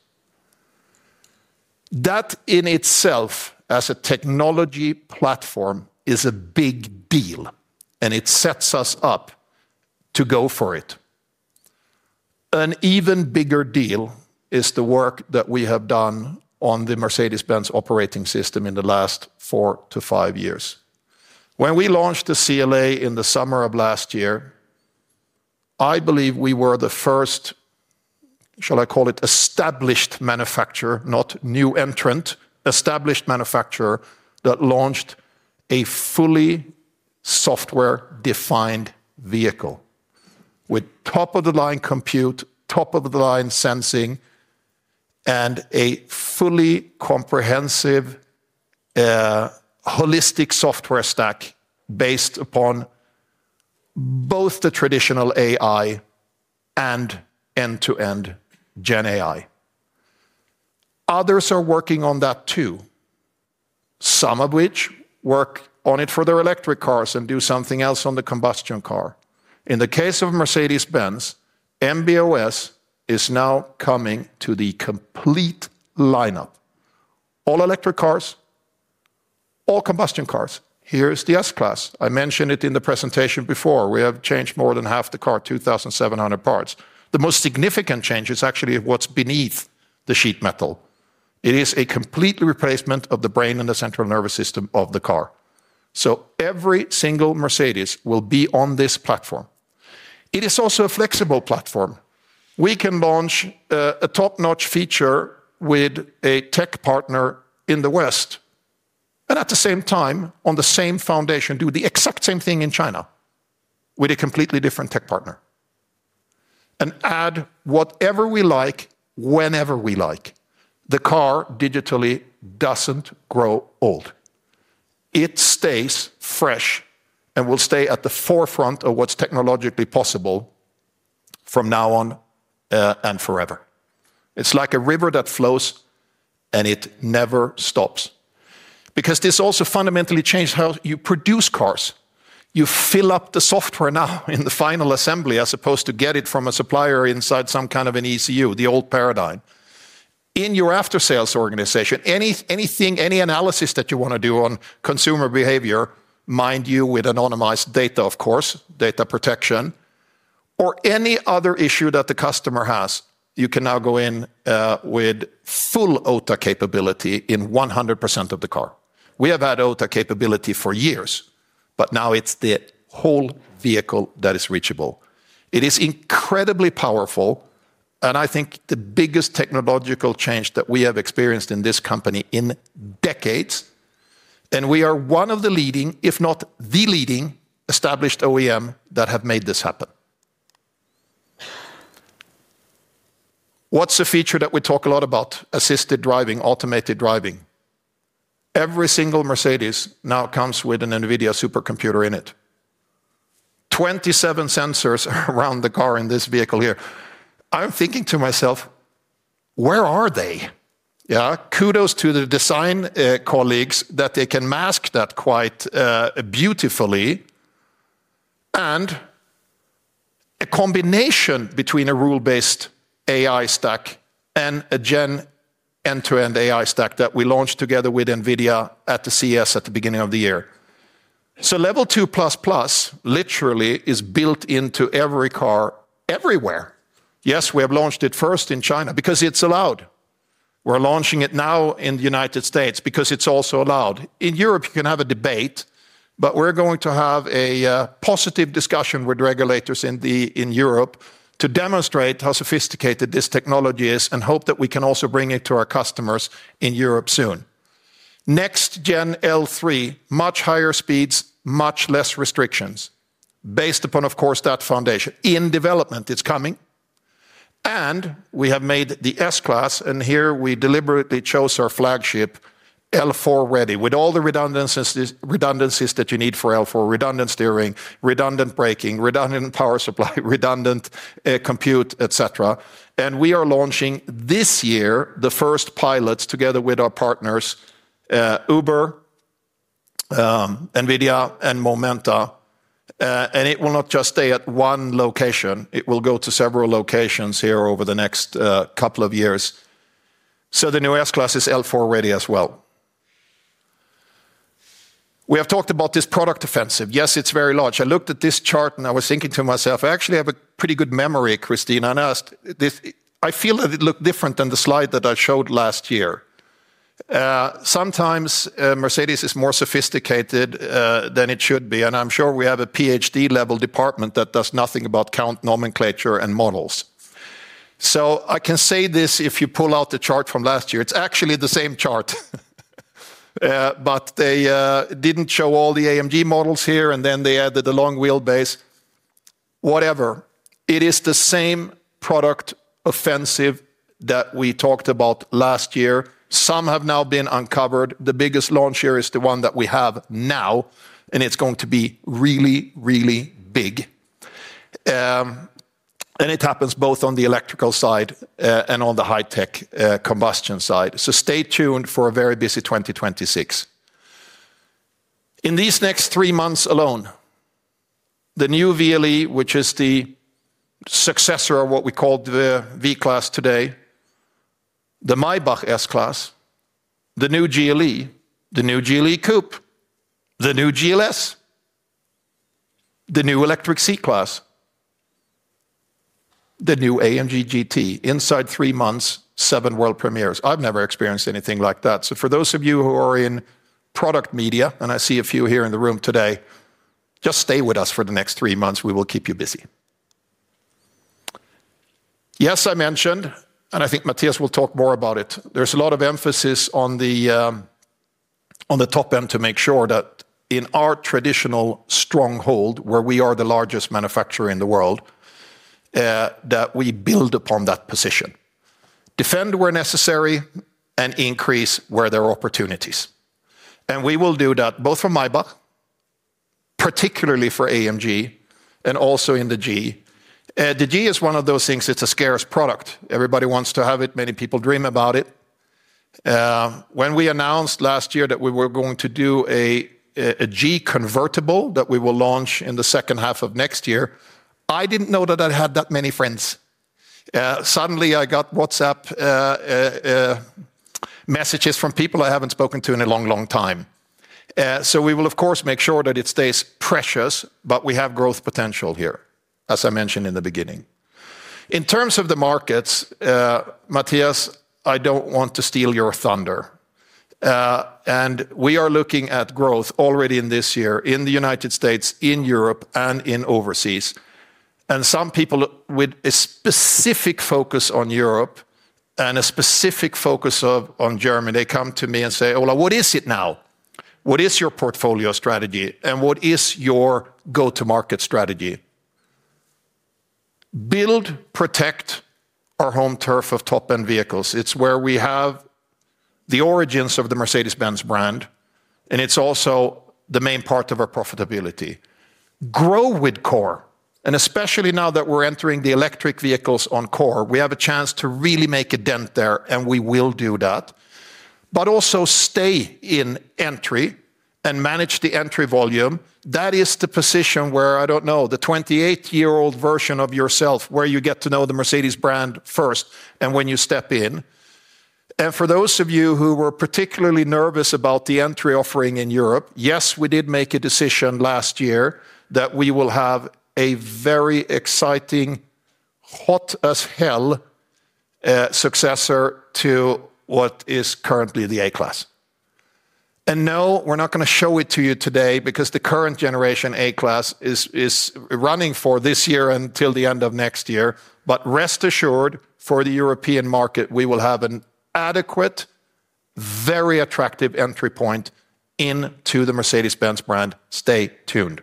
C: That, in itself, as a technology platform, is a big deal, and it sets us up to go for it. An even bigger deal is the work that we have done on the Mercedes-Benz Operating System in the last four to five years. When we launched the CLA in the summer of last year, I believe we were the first, shall I call it, established manufacturer, not new entrant, established manufacturer that launched a fully software-defined vehicle with top-of-the-line compute, top-of-the-line sensing, and a fully comprehensive, holistic software stack based upon both the traditional AI and end-to-end GenAI. Others are working on that, too, some of which work on it for their electric cars and do something else on the combustion car. In the case of Mercedes-Benz, MB.OS is now coming to the complete lineup. All electric cars, all combustion cars. Here is the S-Class. I mentioned it in the presentation before. We have changed more than half the car, 2,700 parts. The most significant change is actually what's beneath the sheet metal. It is a complete replacement of the brain and the central nervous system of the car. So every single Mercedes will be on this platform. It is also a flexible platform. We can launch a top-notch feature with a tech partner in the West, and at the same time, on the same foundation, do the exact same thing in China with a completely different tech partner, and add whatever we like, whenever we like. The car digitally doesn't grow old. It stays fresh and will stay at the forefront of what's technologically possible from now on, and forever. It's like a river that flows, and it never stops. Because this also fundamentally changes how you produce cars. You fill up the software now in the final assembly, as opposed to get it from a supplier inside some kind of an ECU, the old paradigm. In your after-sales organization, anything, any analysis that you want to do on consumer behavior, mind you, with anonymized data, of course, data protection, or any other issue that the customer has, you can now go in with full OTA capability in 100% of the car. We have had OTA capability for years, but now it's the whole vehicle that is reachable. It is incredibly powerful, and I think the biggest technological change that we have experienced in this company in decades, and we are one of the leading, if not the leading, established OEM that have made this happen. What's a feature that we talk a lot about? Assisted driving, automated driving. Every single Mercedes now comes with an NVIDIA supercomputer in it. 27 sensors around the car in this vehicle here. I'm thinking to myself, where are they? Yeah, kudos to the design colleagues that they can mask that quite beautifully. And a combination between a rule-based AI stack and a gen end-to-end AI stack that we launched together with NVIDIA at the CES at the beginning of the year. So Level 2++ literally is built into every car everywhere. Yes, we have launched it first in China because it's allowed. We're launching it now in the United States because it's also allowed. In Europe, you can have a debate, but we're going to have a positive discussion with regulators in Europe to demonstrate how sophisticated this technology is and hope that we can also bring it to our customers in Europe soon. Next-gen L3, much higher speeds, much less restrictions, based upon, of course, that foundation. In development, it's coming. And we have made the S-Class, and here we deliberately chose our flagship L4-ready, with all the redundancies, redundancies that you need for L4: redundant steering, redundant braking, redundant power supply, redundant compute, et cetera. And we are launching this year the first pilots together with our partners, Uber, NVIDIA, and Momenta. And it will not just stay at one location, it will go to several locations here over the next couple of years. So the new S-Class is L4-ready as well. We have talked about this product offensive. Yes, it's very large. I looked at this chart, and I was thinking to myself, I actually have a pretty good memory, Christine, and I asked, I feel that it looked different than the slide that I showed last year. Sometimes, Mercedes is more sophisticated than it should be, and I'm sure we have a PhD-level department that does nothing about count nomenclature and models. So I can say this, if you pull out the chart from last year, it's actually the same chart. But they didn't show all the AMG models here, and then they added the long wheelbase. Whatever. It is the same product offensive that we talked about last year. Some have now been uncovered. The biggest launch here is the one that we have now, and it's going to be really, really big. And it happens both on the electrical side and on the high-tech combustion side. So stay tuned for a very busy 2026. In these next three months alone, the new VLE, which is the successor of what we call the V-Class today, the Maybach S-Class, the new GLE, the new GLE Coupe, the new GLS, the new electric C-Class, the new AMG GT. Inside three months, seven world premieres. I've never experienced anything like that. So for those of you who are in product media, and I see a few here in the room today, just stay with us for the next three months. We will keep you busy. Yes, I mentioned, and I think Mathias will talk more about it, there's a lot of emphasis on the, on the Top-End to make sure that in our traditional stronghold, where we are the largest manufacturer in the world, that we build upon that position. Defend where necessary and increase where there are opportunities, and we will do that both for Maybach, particularly for AMG, and also in the G. The G is one of those things; it's a scarce product. Everybody wants to have it; many people dream about it. When we announced last year that we were going to do a G convertible that we will launch in the second half of next year, I didn't know that I had that many friends. Suddenly I got WhatsApp messages from people I haven't spoken to in a long, long time. So we will, of course, make sure that it stays precious, but we have growth potential here, as I mentioned in the beginning. In terms of the markets, Mathias, I don't want to steal your thunder. And we are looking at growth already in this year in the United States, in Europe, and overseas. And some people, with a specific focus on Europe and a specific focus on Germany, they come to me and say, "Ola, what is it now? What is your portfolio strategy, and what is your go-to-market strategy?" Build, protect our home turf of Top-End vehicles. It's where we have the origins of the Mercedes-Benz brand, and it's also the main part of our profitability. Grow with Core, and especially now that we're entering the electric vehicles on Core, we have a chance to really make a dent there, and we will do that. But also stay in entry and manage the entry volume. That is the position where, I don't know, the 28-year-old version of yourself, where you get to know the Mercedes brand first and when you step in. For those of you who were particularly nervous about the entry offering in Europe, yes, we did make a decision last year that we will have a very exciting, hot as hell, successor to what is currently the A-Class. No, we're not gonna show it to you today because the current generation A-Class is running for this year until the end of next year. Rest assured, for the European market, we will have an adequate, very attractive entry point into the Mercedes-Benz brand. Stay tuned.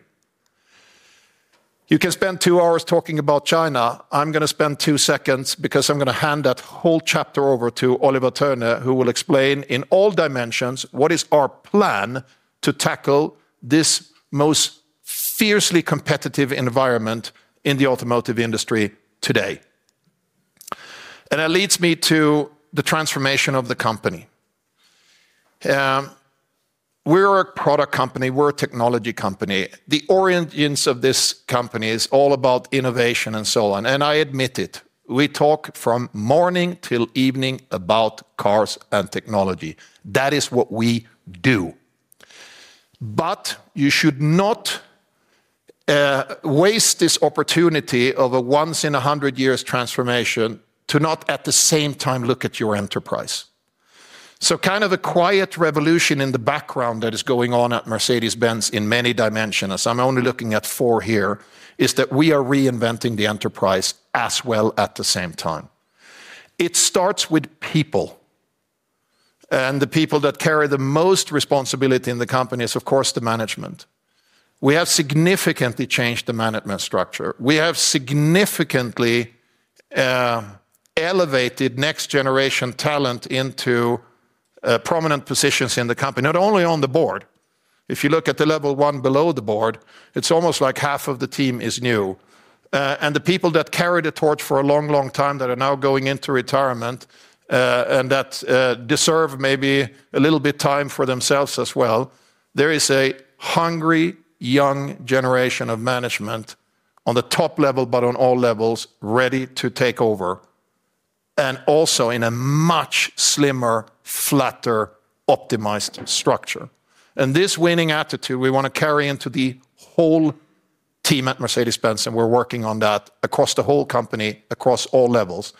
C: You can spend two hours talking about China. I'm gonna spend two seconds because I'm gonna hand that whole chapter over to Oliver Thöne, who will explain in all dimensions what is our plan to tackle this most fiercely competitive environment in the automotive industry today? That leads me to the transformation of the company. We're a product company. We're a technology company. The orientation of this company is all about innovation and so on, and I admit it, we talk from morning till evening about cars and technology. That is what we do. But you should not waste this opportunity of a once-in-a-hundred-years transformation to not, at the same time, look at your enterprise. Kind of a quiet revolution in the background that is going on at Mercedes-Benz in many dimensions, as I'm only looking at four here, is that we are reinventing the enterprise as well at the same time. It starts with people, and the people that carry the most responsibility in the company is, of course, the management. We have significantly changed the management structure. We have significantly elevated next-generation talent into prominent positions in the company, not only on the board. If you look at the level one below the board, it's almost like half of the team is new. And the people that carried the torch for a long, long time, that are now going into retirement, and that deserve maybe a little bit time for themselves as well, there is a hungry, young generation of management on the top level, but on all levels, ready to take over, and also in a much slimmer, flatter, optimized structure. This winning attitude we want to carry into the whole team at Mercedes-Benz, and we're working on that across the whole company, across all levels.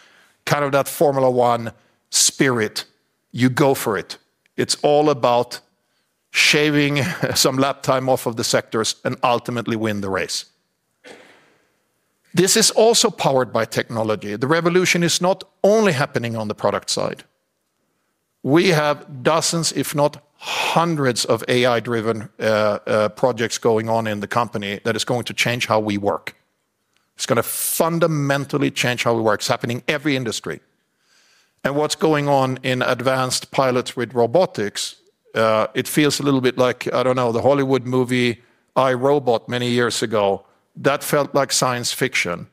C: Kind of that Formula One spirit: You go for it. It's all about shaving some lap time off of the sectors and ultimately win the race. This is also powered by technology. The revolution is not only happening on the product side. We have dozens, if not hundreds, of AI-driven projects going on in the company that is going to change how we work. It's gonna fundamentally change how we work. It's happening in every industry. And what's going on in advanced pilots with robotics, it feels a little bit like, I don't know, the Hollywood movie I, Robot many years ago. That felt like science fiction.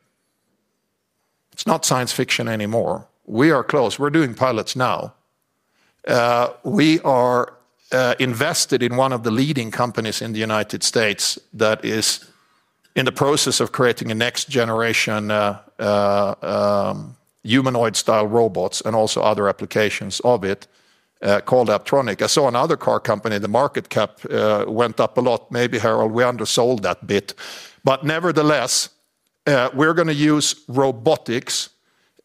C: It's not science fiction anymore. We are close. We're doing pilots now. We are invested in one of the leading companies in the United States that is in the process of creating a next-generation humanoid-style robots and also other applications of it, called Apptronik. I saw another car company, the market cap went up a lot. Maybe, Harald, we undersold that bit. But nevertheless, we're gonna use robotics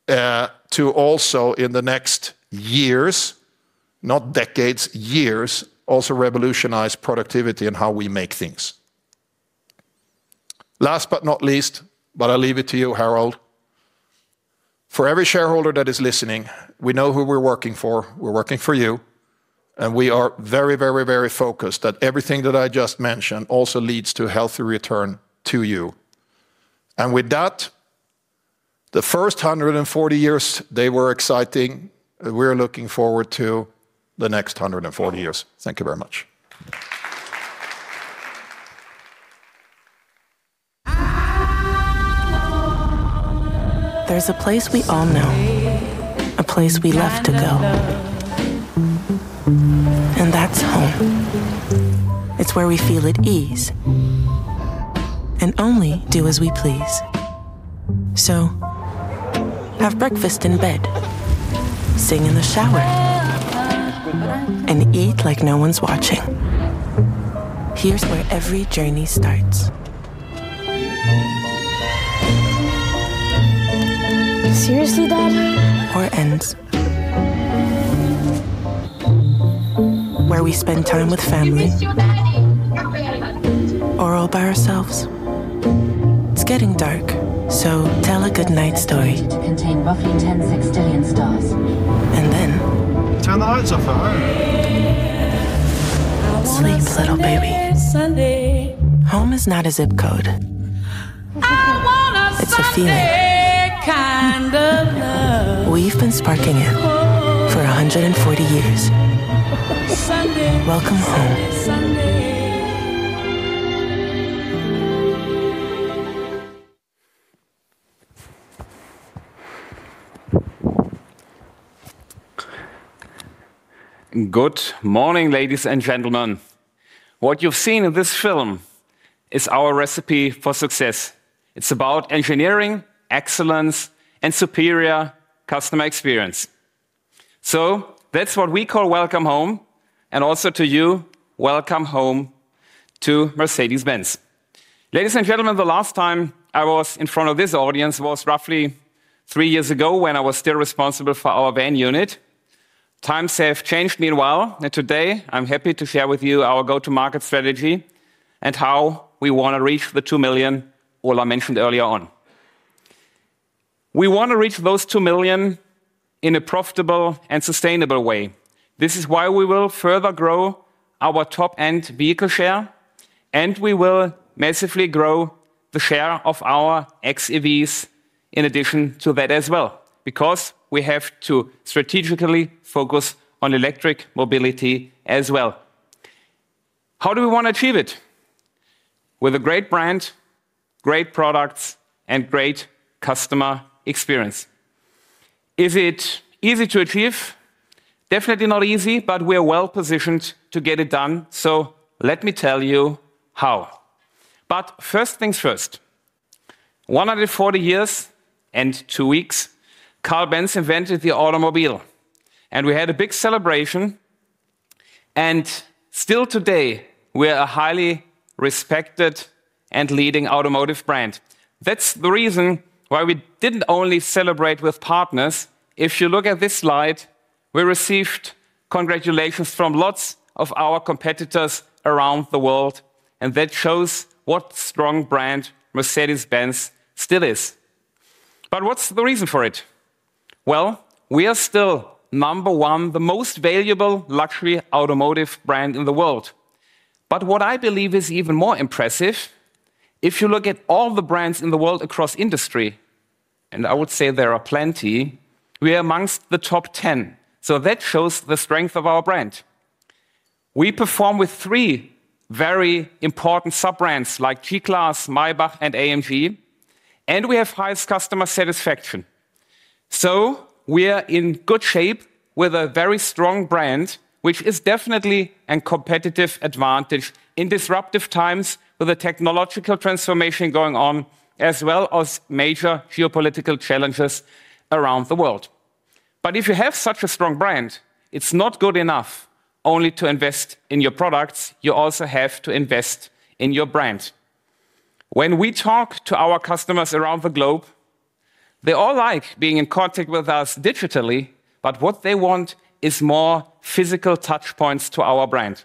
C: to also, in the next years, not decades, years, also revolutionize productivity and how we make things. Last but not least, but I'll leave it to you, Harald: For every shareholder that is listening, we know who we're working for. We're working for you, and we are very, very, very focused that everything that I just mentioned also leads to a healthy return to you. And with that, the first 140 years, they were exciting. We're looking forward to the next 140 years. Thank you very much.
E: Good morning, ladies and gentlemen. What you've seen in this film is our recipe for success. It's about engineering, excellence, and superior customer experience. So that's what we call welcome home, and also to you, welcome home to Mercedes-Benz. Ladies and gentlemen, the last time I was in front of this audience was roughly three years ago, when I was still responsible for our van unit. Times have changed meanwhile, and today I'm happy to share with you our go-to-market strategy and how we want to reach the 2 million Ola mentioned earlier on. We want to reach those 2 million in a profitable and sustainable way. This is why we will further grow our Top-End vehicle share, and we will massively grow the share of our xEVs in addition to that as well, because we have to strategically focus on electric mobility as well. How do we want to achieve it? With a great brand, great products, and great customer experience. Is it easy to achieve? Definitely not easy, but we are well positioned to get it done. So let me tell you how. But first things first, 140 years and two weeks, Karl Benz invented the automobile, and we had a big celebration. Still today, we're a highly respected and leading automotive brand. That's the reason why we didn't only celebrate with partners. If you look at this slide. We received congratulations from lots of our competitors around the world, and that shows what strong brand Mercedes-Benz still is. But what's the reason for it? Well, we are still number one, the most valuable luxury automotive brand in the world. But what I believe is even more impressive, if you look at all the brands in the world across industry, and I would say there are plenty, we are among the top ten. So that shows the strength of our brand. We perform with three very important sub-brands, like G-Class, Maybach, and AMG, and we have highest customer satisfaction. So we are in good shape with a very strong brand, which is definitely a competitive advantage in disruptive times, with a technological transformation going on, as well as major geopolitical challenges around the world. But if you have such a strong brand, it's not good enough only to invest in your products, you also have to invest in your brand. When we talk to our customers around the globe, they all like being in contact with us digitally, but what they want is more physical touchpoints to our brand.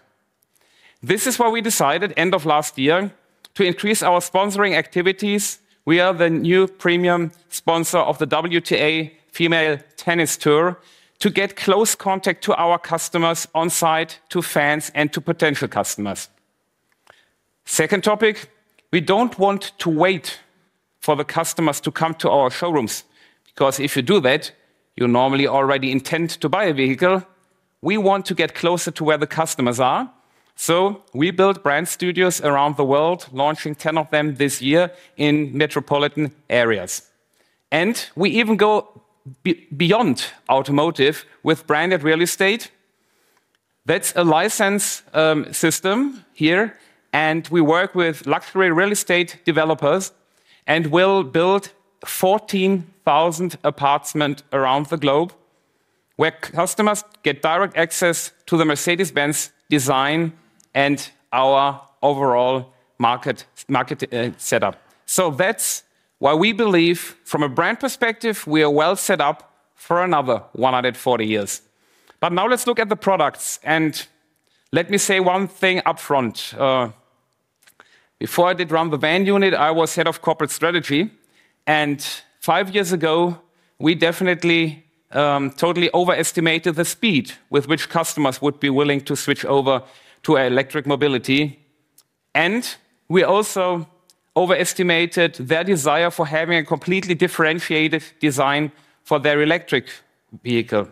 E: This is why we decided, end of last year, to increase our sponsoring activities. We are the new premium sponsor of the WTA female tennis tour, to get close contact to our customers on-site, to fans, and to potential customers. Second topic, we don't want to wait for the customers to come to our showrooms, because if you do that, you normally already intend to buy a vehicle. We want to get closer to where the customers are, so we build brand studios around the world, launching 10 of them this year in metropolitan areas. We even go beyond automotive with branded real estate. That's a license system here, and we work with luxury real estate developers, and we'll build 14,000 apartments around the globe, where customers get direct access to the Mercedes-Benz design and our overall market setup. So that's why we believe, from a brand perspective, we are well set up for another 140 years. But now let's look at the products, and let me say one thing upfront. Before I did run the van unit, I was head of corporate strategy, and five years ago, we definitely totally overestimated the speed with which customers would be willing to switch over to electric mobility. And we also overestimated their desire for having a completely differentiated design for their electric vehicle.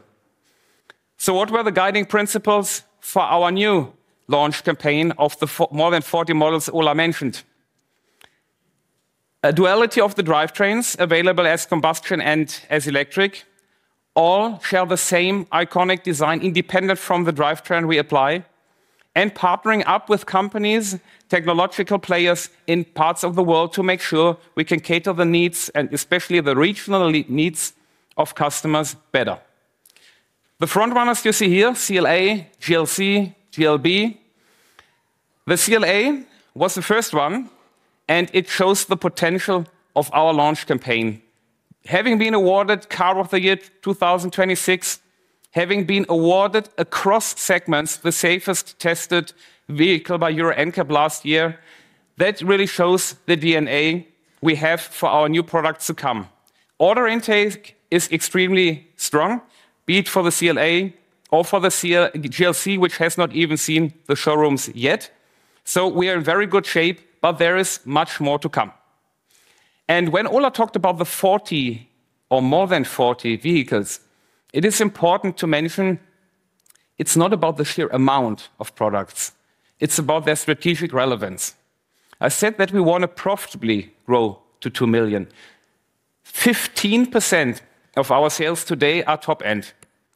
E: So what were the guiding principles for our new launch campaign of the more than 40 models Ola mentioned? A duality of the drivetrains available as combustion and as electric. All share the same iconic design, independent from the drivetrain we apply. Partnering up with companies, technological players in parts of the world, to make sure we can cater the needs and especially the regional needs of customers better. The front runners you see here, CLA, GLC, GLB. The CLA was the first one, and it shows the potential of our launch campaign. Having been awarded Car of the Year 2026, having been awarded across segments, the safest tested vehicle by Euro NCAP last year, that really shows the DNA we have for our new products to come. Order intake is extremely strong, be it for the CLA or for the CLA, GLC, which has not even seen the showrooms yet. So we are in very good shape, but there is much more to come. When Ola talked about the 40 or more than 40 vehicles, it is important to mention it's not about the sheer amount of products, it's about their strategic relevance. I said that we want to profitably grow to 2 million. 15% of our sales today are Top-End,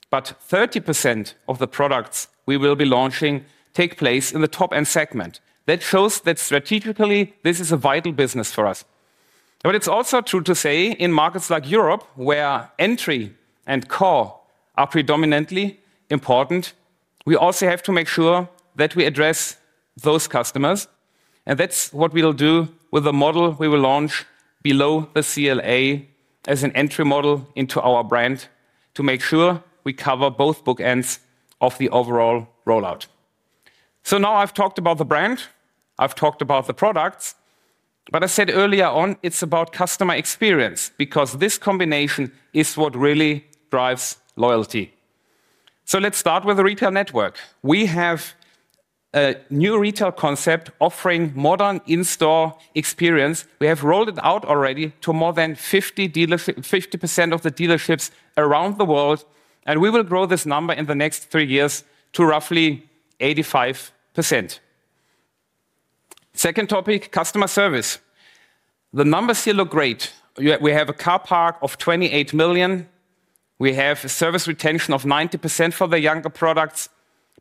E: but 30% of the products we will be launching take place in the Top-End segment. That shows that strategically, this is a vital business for us. But it's also true to say, in markets like Europe, where entry and core are predominantly important, we also have to make sure that we address those customers, and that's what we will do with the model we will launch below the CLA as an entry model into our brand, to make sure we cover both bookends of the overall rollout. So now I've talked about the brand, I've talked about the products, but I said earlier on, it's about customer experience, because this combination is what really drives loyalty. So let's start with the retail network. We have a new retail concept offering modern in-store experience. We have rolled it out already to more than 50 dealers, 50% of the dealerships around the world, and we will grow this number in the next three years to roughly 85%. Second topic, customer service. The numbers here look great, yet we have a car park of 28 million. We have a service retention of 90% for the younger products,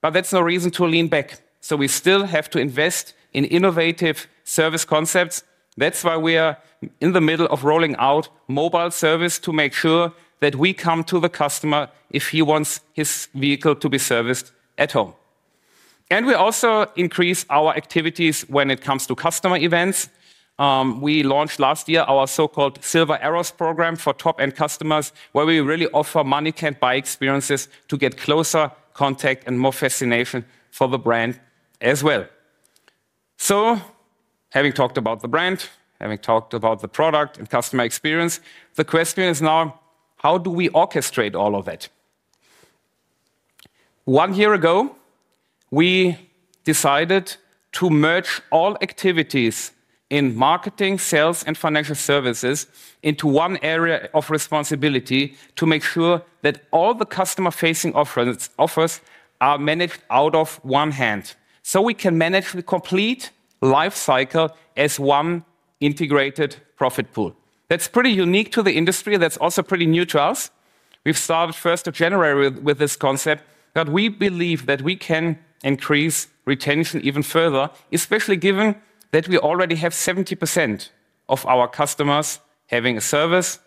E: but that's no reason to lean back. So we still have to invest in innovative service concepts. That's why we are in the middle of rolling out mobile service, to make sure that we come to the customer if he wants his vehicle to be serviced at home. And we also increase our activities when it comes to customer events. We launched last year our so-called Silver Arrows program for Top-End customers, where we really offer money-can't-buy experiences to get closer contact and more fascination for the brand as well. So having talked about the brand, having talked about the product and customer experience, the question is now: how do we orchestrate all of it? One year ago, we decided to merge all activities in Marketing, Sales, and Financial Services into one area of responsibility to make sure that all the customer-facing offerings are managed out of one hand, so we can manage the complete life cycle as one integrated profit pool. That's pretty unique to the industry. That's also pretty new to us. We've started first of January with this concept, but we believe that we can increase retention even further, especially given that we already have 70% of our customers having a service,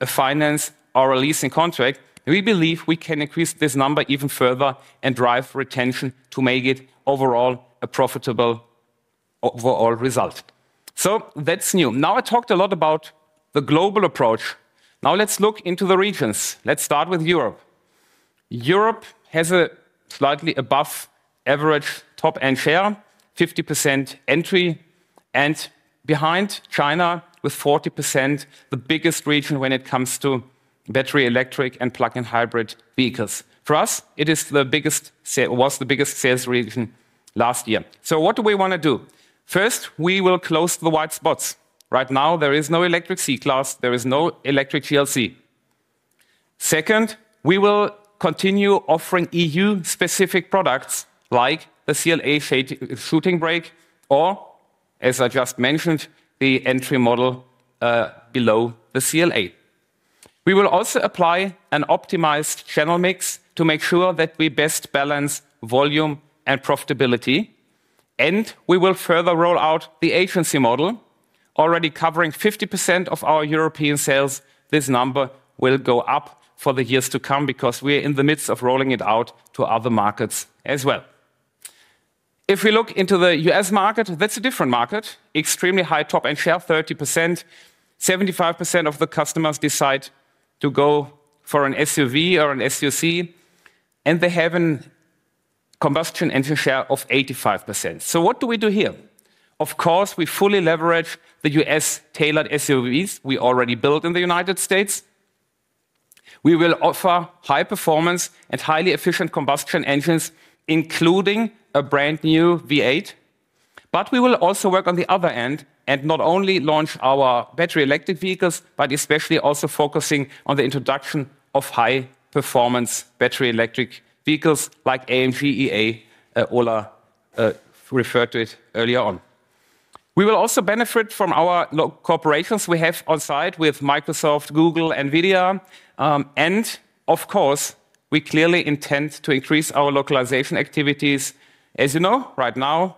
E: a finance, or a leasing contract. We believe we can increase this number even further and drive retention to make it overall a profitable overall result. So that's new. Now, I talked a lot about the global approach. Now let's look into the regions. Let's start with Europe. Europe has a slightly above average Top-End share, 50% entry, and behind China with 40%, the biggest region when it comes to battery, electric, and plug-in hybrid vehicles. For us, it is the biggest sales was the biggest sales region last year. So what do we wanna do? First, we will close the white spots. Right now, there is no electric C-Class, there is no electric GLC. Second, we will continue offering EU-specific products, like the CLA Shooting Brake, or, as I just mentioned, the entry model below the CLA. We will also apply an optimized channel mix to make sure that we best balance volume and profitability, and we will further roll out the agency model, already covering 50% of our European sales. This number will go up for the years to come because we are in the midst of rolling it out to other markets as well. If we look into the US market, that's a different market. Extremely high Top-End share, 30%. 75% of the customers decide to go for an SUV or an SUC, and they have a combustion engine share of 85%. So what do we do here? Of course, we fully leverage the U.S.-tailored SUVs we already built in the United States. We will offer high performance and highly efficient combustion engines, including a brand-new V8. But we will also work on the other end and not only launch our battery-electric vehicles, but especially also focusing on the introduction of high-performance battery electric vehicles like AMG.EA, Ola, referred to it earlier on. We will also benefit from our cooperations we have on site with Microsoft, Google, and NVIDIA. And of course, we clearly intend to increase our localization activities. As you know, right now,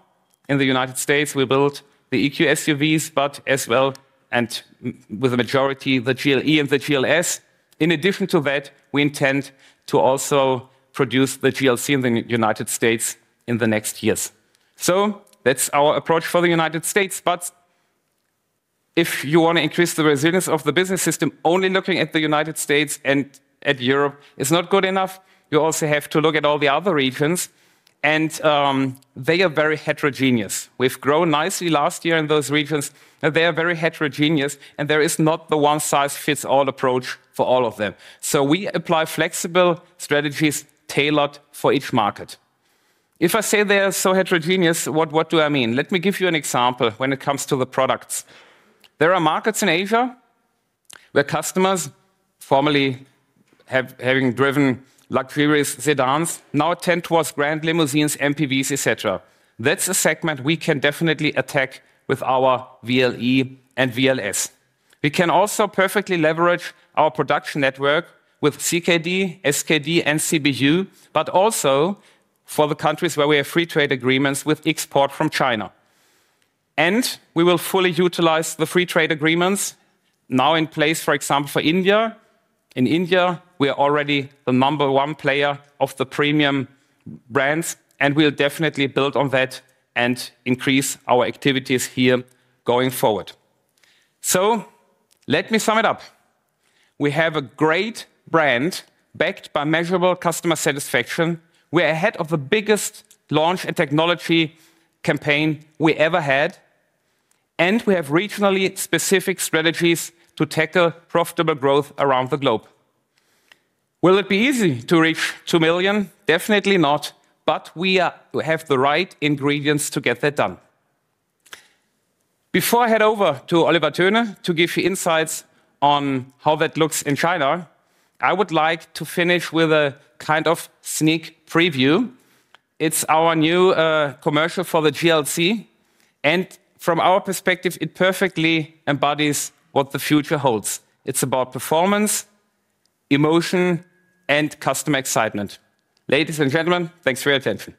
E: in the United States, we build the EQ SUVs, but as well, and with the majority, the GLE and the GLS. In addition to that, we intend to also produce the GLC in the United States in the next years. So that's our approach for the United States, but if you want to increase the resilience of the business system, only looking at the United States and at Europe is not good enough. You also have to look at all the other regions, and they are very heterogeneous. We've grown nicely last year in those regions, and they are very heterogeneous, and there is not the one-size-fits-all approach for all of them. So we apply flexible strategies tailored for each market. If I say they are so heterogeneous, what, what do I mean? Let me give you an example when it comes to the products. There are markets in Asia where customers formerly having driven luxurious sedans, now tend towards grand limousines, MPVs, et cetera. That's a segment we can definitely attack with our VLE and VLS. We can also perfectly leverage our production network with CKD, SKD, and CBU, but also for the countries where we have free trade agreements with export from China. We will fully utilize the free trade agreements now in place, for example, for India. In India, we are already the number-one player of the premium brands, and we'll definitely build on that and increase our activities here going forward. So let me sum it up. We have a great brand backed by measurable customer satisfaction. We're ahead of the biggest launch and technology campaign we ever had, and we have regionally specific strategies to tackle profitable growth around the globe. Will it be easy to reach 2 million? Definitely not, but we have the right ingredients to get that done. Before I head over to Oliver Thöne to give you insights on how that looks in China, I would like to finish with a kind of sneak preview. It's our new commercial for the GLC, and from our perspective, it perfectly embodies what the future holds. It's about performance, emotion, and customer excitement. Ladies and gentlemen, thanks for your attention.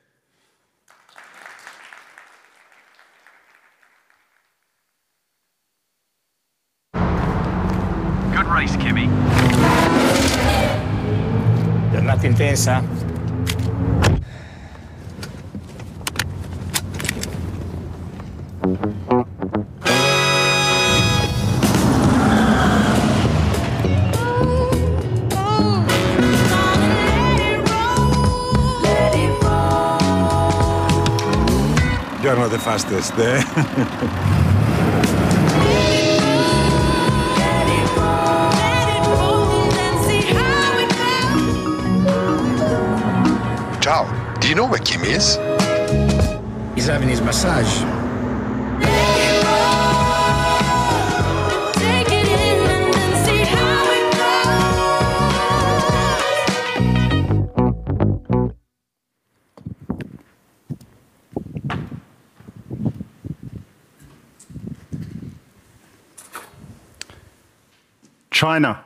F: China,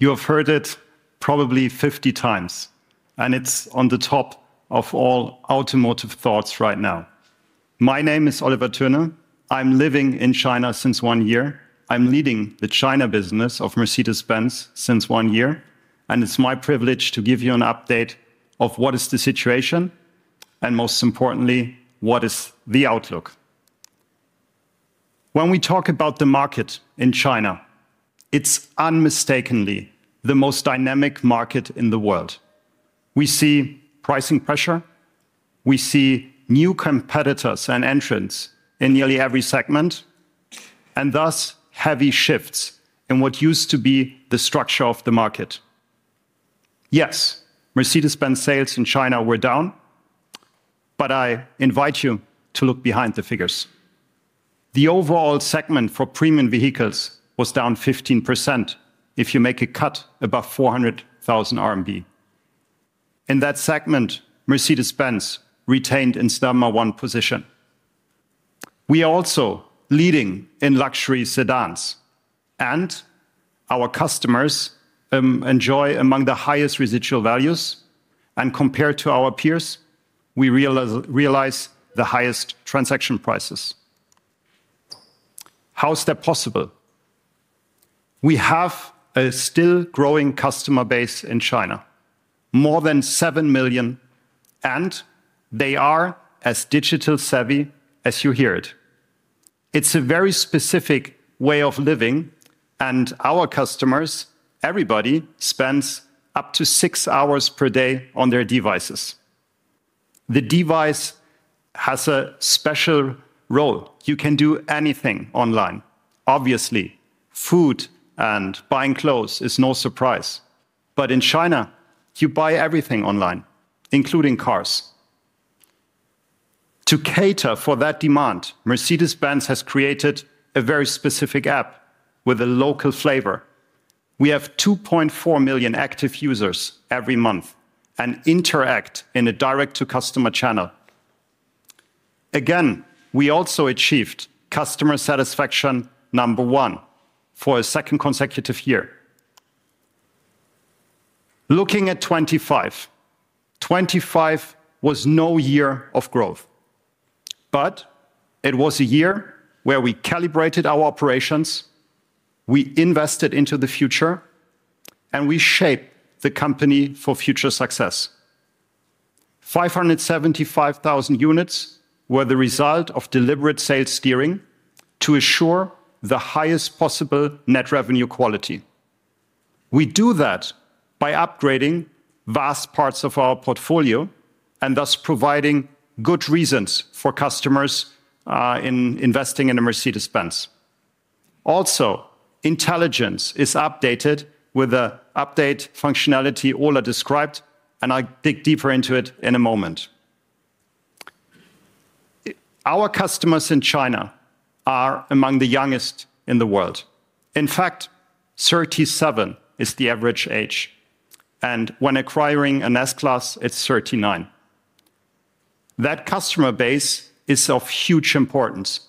F: you have heard it probably 50x, and it's on the top of all automotive thoughts right now. My name is Oliver Thöne. I'm living in China since one year. I'm leading the China business of Mercedes-Benz since one year, and it's my privilege to give you an update of what is the situation, and most importantly, what is the outlook. When we talk about the market in China, it's unmistakably the most dynamic market in the world. We see pricing pressure, we see new competitors and entrants in nearly every segment, and thus, heavy shifts in what used to be the structure of the market. Yes, Mercedes-Benz sales in China were down, but I invite you to look behind the figures. The overall segment for premium vehicles was down 15% if you make a cut above 400,000 RMB. In that segment, Mercedes-Benz retained and maintained number one position. We are also leading in luxury sedans, and our customers enjoy among the highest residual values, and compared to our peers, we realize the highest transaction prices. How is that possible? We have a still growing customer base in China, more than 7 million, and they are as digital savvy as you hear it. It's a very specific way of living, and our customers, everybody, spends up to six hours per day on their devices. The device has a special role. You can do anything online. Obviously, food and buying clothes is no surprise. But in China, you buy everything online, including cars. To cater for that demand, Mercedes-Benz has created a very specific app with a local flavor. We have 2.4 million active users every month and interact in a direct-to-customer channel. Again, we also achieved customer satisfaction number one for a second consecutive year. Looking at 2025. 2025 was no year of growth, but it was a year where we calibrated our operations, we invested into the future, and we shaped the company for future success. 575,000 units were the result of deliberate sales steering to assure the highest possible net revenue quality. We do that by upgrading vast parts of our portfolio and thus providing good reasons for customers in investing in a Mercedes-Benz. Also, intelligence is updated with the update functionality Ola described, and I'll dig deeper into it in a moment. Our customers in China are among the youngest in the world. In fact, 37 is the average age, and when acquiring an S-Class, it's 39. That customer base is of huge importance,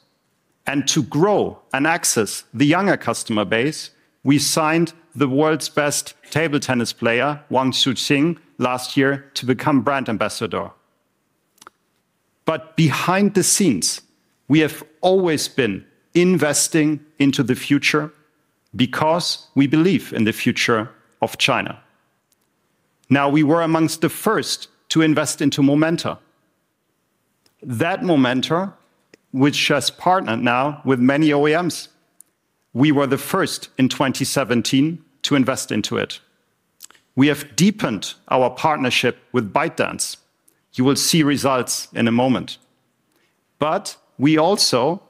F: and to grow and access the younger customer base, we signed the world's best table tennis player, Wang Chuqin, last year to become brand ambassador. But behind the scenes, we have always been investing into the future because we believe in the future of China. Now, we were amongst the first to invest into Momenta. That Momenta, which has partnered now with many OEMs, we were the first in 2017 to invest into it. We have deepened our partnership with ByteDance. You will see results in a moment. But we also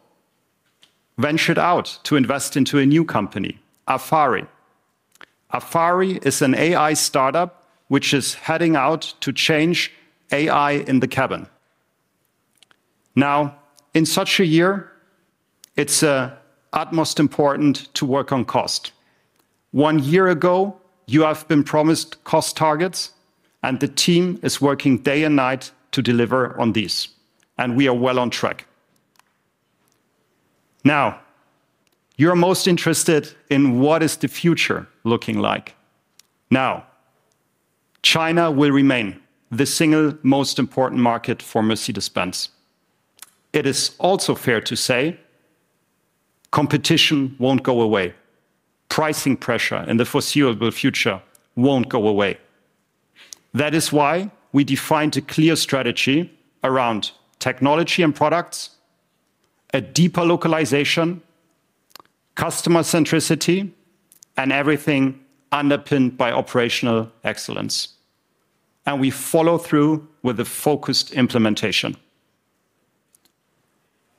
F: ventured out to invest into a new company, Afari. Afari is an AI startup, which is heading out to change AI in the cabin. Now, in such a year, it's utmost important to work on cost. One year ago, you have been promised cost targets, and the team is working day and night to deliver on these, and we are well on track. Now, you're most interested in what is the future looking like? China will remain the single most important market for Mercedes-Benz. It is also fair to say, competition won't go away. Pricing pressure in the foreseeable future won't go away. That is why we defined a clear strategy around technology and products, a deeper localization, customer centricity, and everything underpinned by operational excellence, and we follow through with a focused implementation.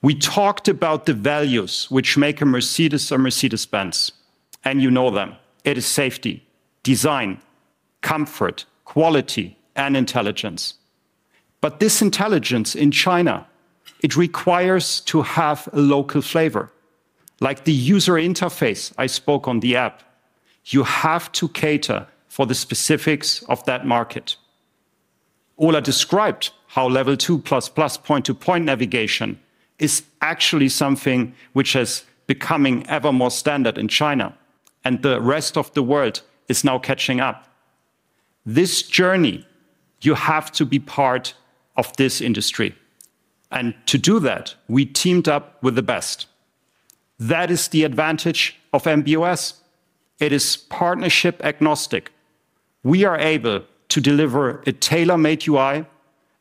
F: We talked about the values which make a Mercedes a Mercedes-Benz, and you know them. It is safety, design, comfort, quality, and intelligence. But this intelligence in China, it requires to have a local flavor, like the user interface I spoke on the app. You have to cater for the specifics of that market. Ola described how Level 2++, point-to-point navigation is actually something which is becoming ever more standard in China, and the rest of the world is now catching up. This journey, you have to be part of this industry, and to do that, we teamed up with the best. That is the advantage of MB.OS. It is partnership agnostic. We are able to deliver a tailor-made UI,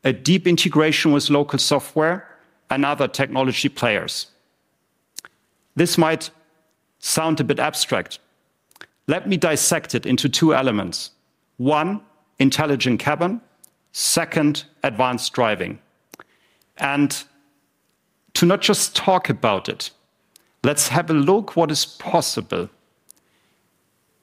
F: a deep integration with local software, and other technology players. This might sound a bit abstract. Let me dissect it into two elements. One, intelligent cabin. Second, advanced driving. And to not just talk about it, let's have a look what is possible.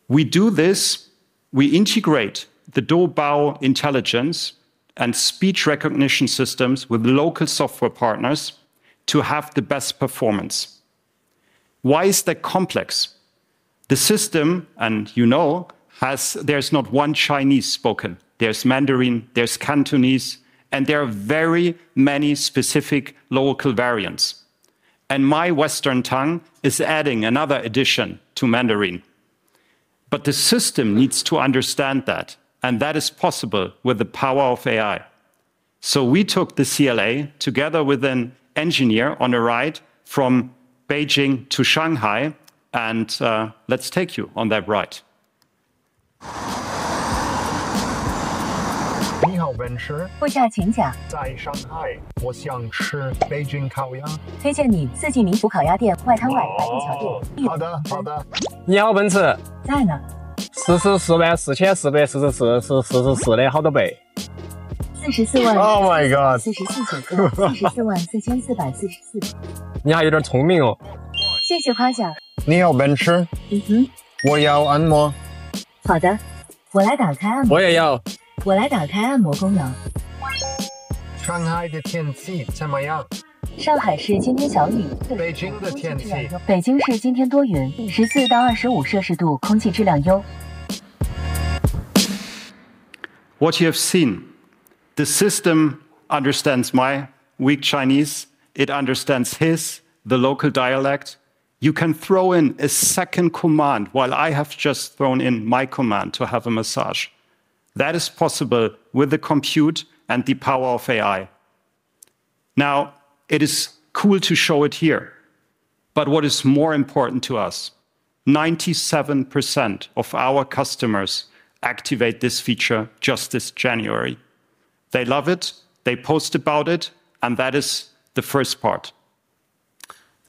F: We do this, we integrate the Doubao intelligence and speech recognition systems with local software partners to have the best performance. Why is that complex? The system, and you know, has. There's not one Chinese spoken. There's Mandarin, there's Cantonese, and there are very many specific local variants, and my Western tongue is adding another addition to Mandarin. But the system needs to understand that, and that is possible with the power of AI. So we took the CLA together with an engineer on a ride from Beijing to Shanghai and, let's take you on that ride. Oh, my God! What you have seen, the system understands my weak Chinese. It understands his, the local dialect. You can throw in a second command, while I have just thrown in my command to have a massage. That is possible with the compute and the power of AI. Now, it is cool to show it here, but what is more important to us, 97% of our customers activate this feature just this January. They love it, they post about it, and that is the first part.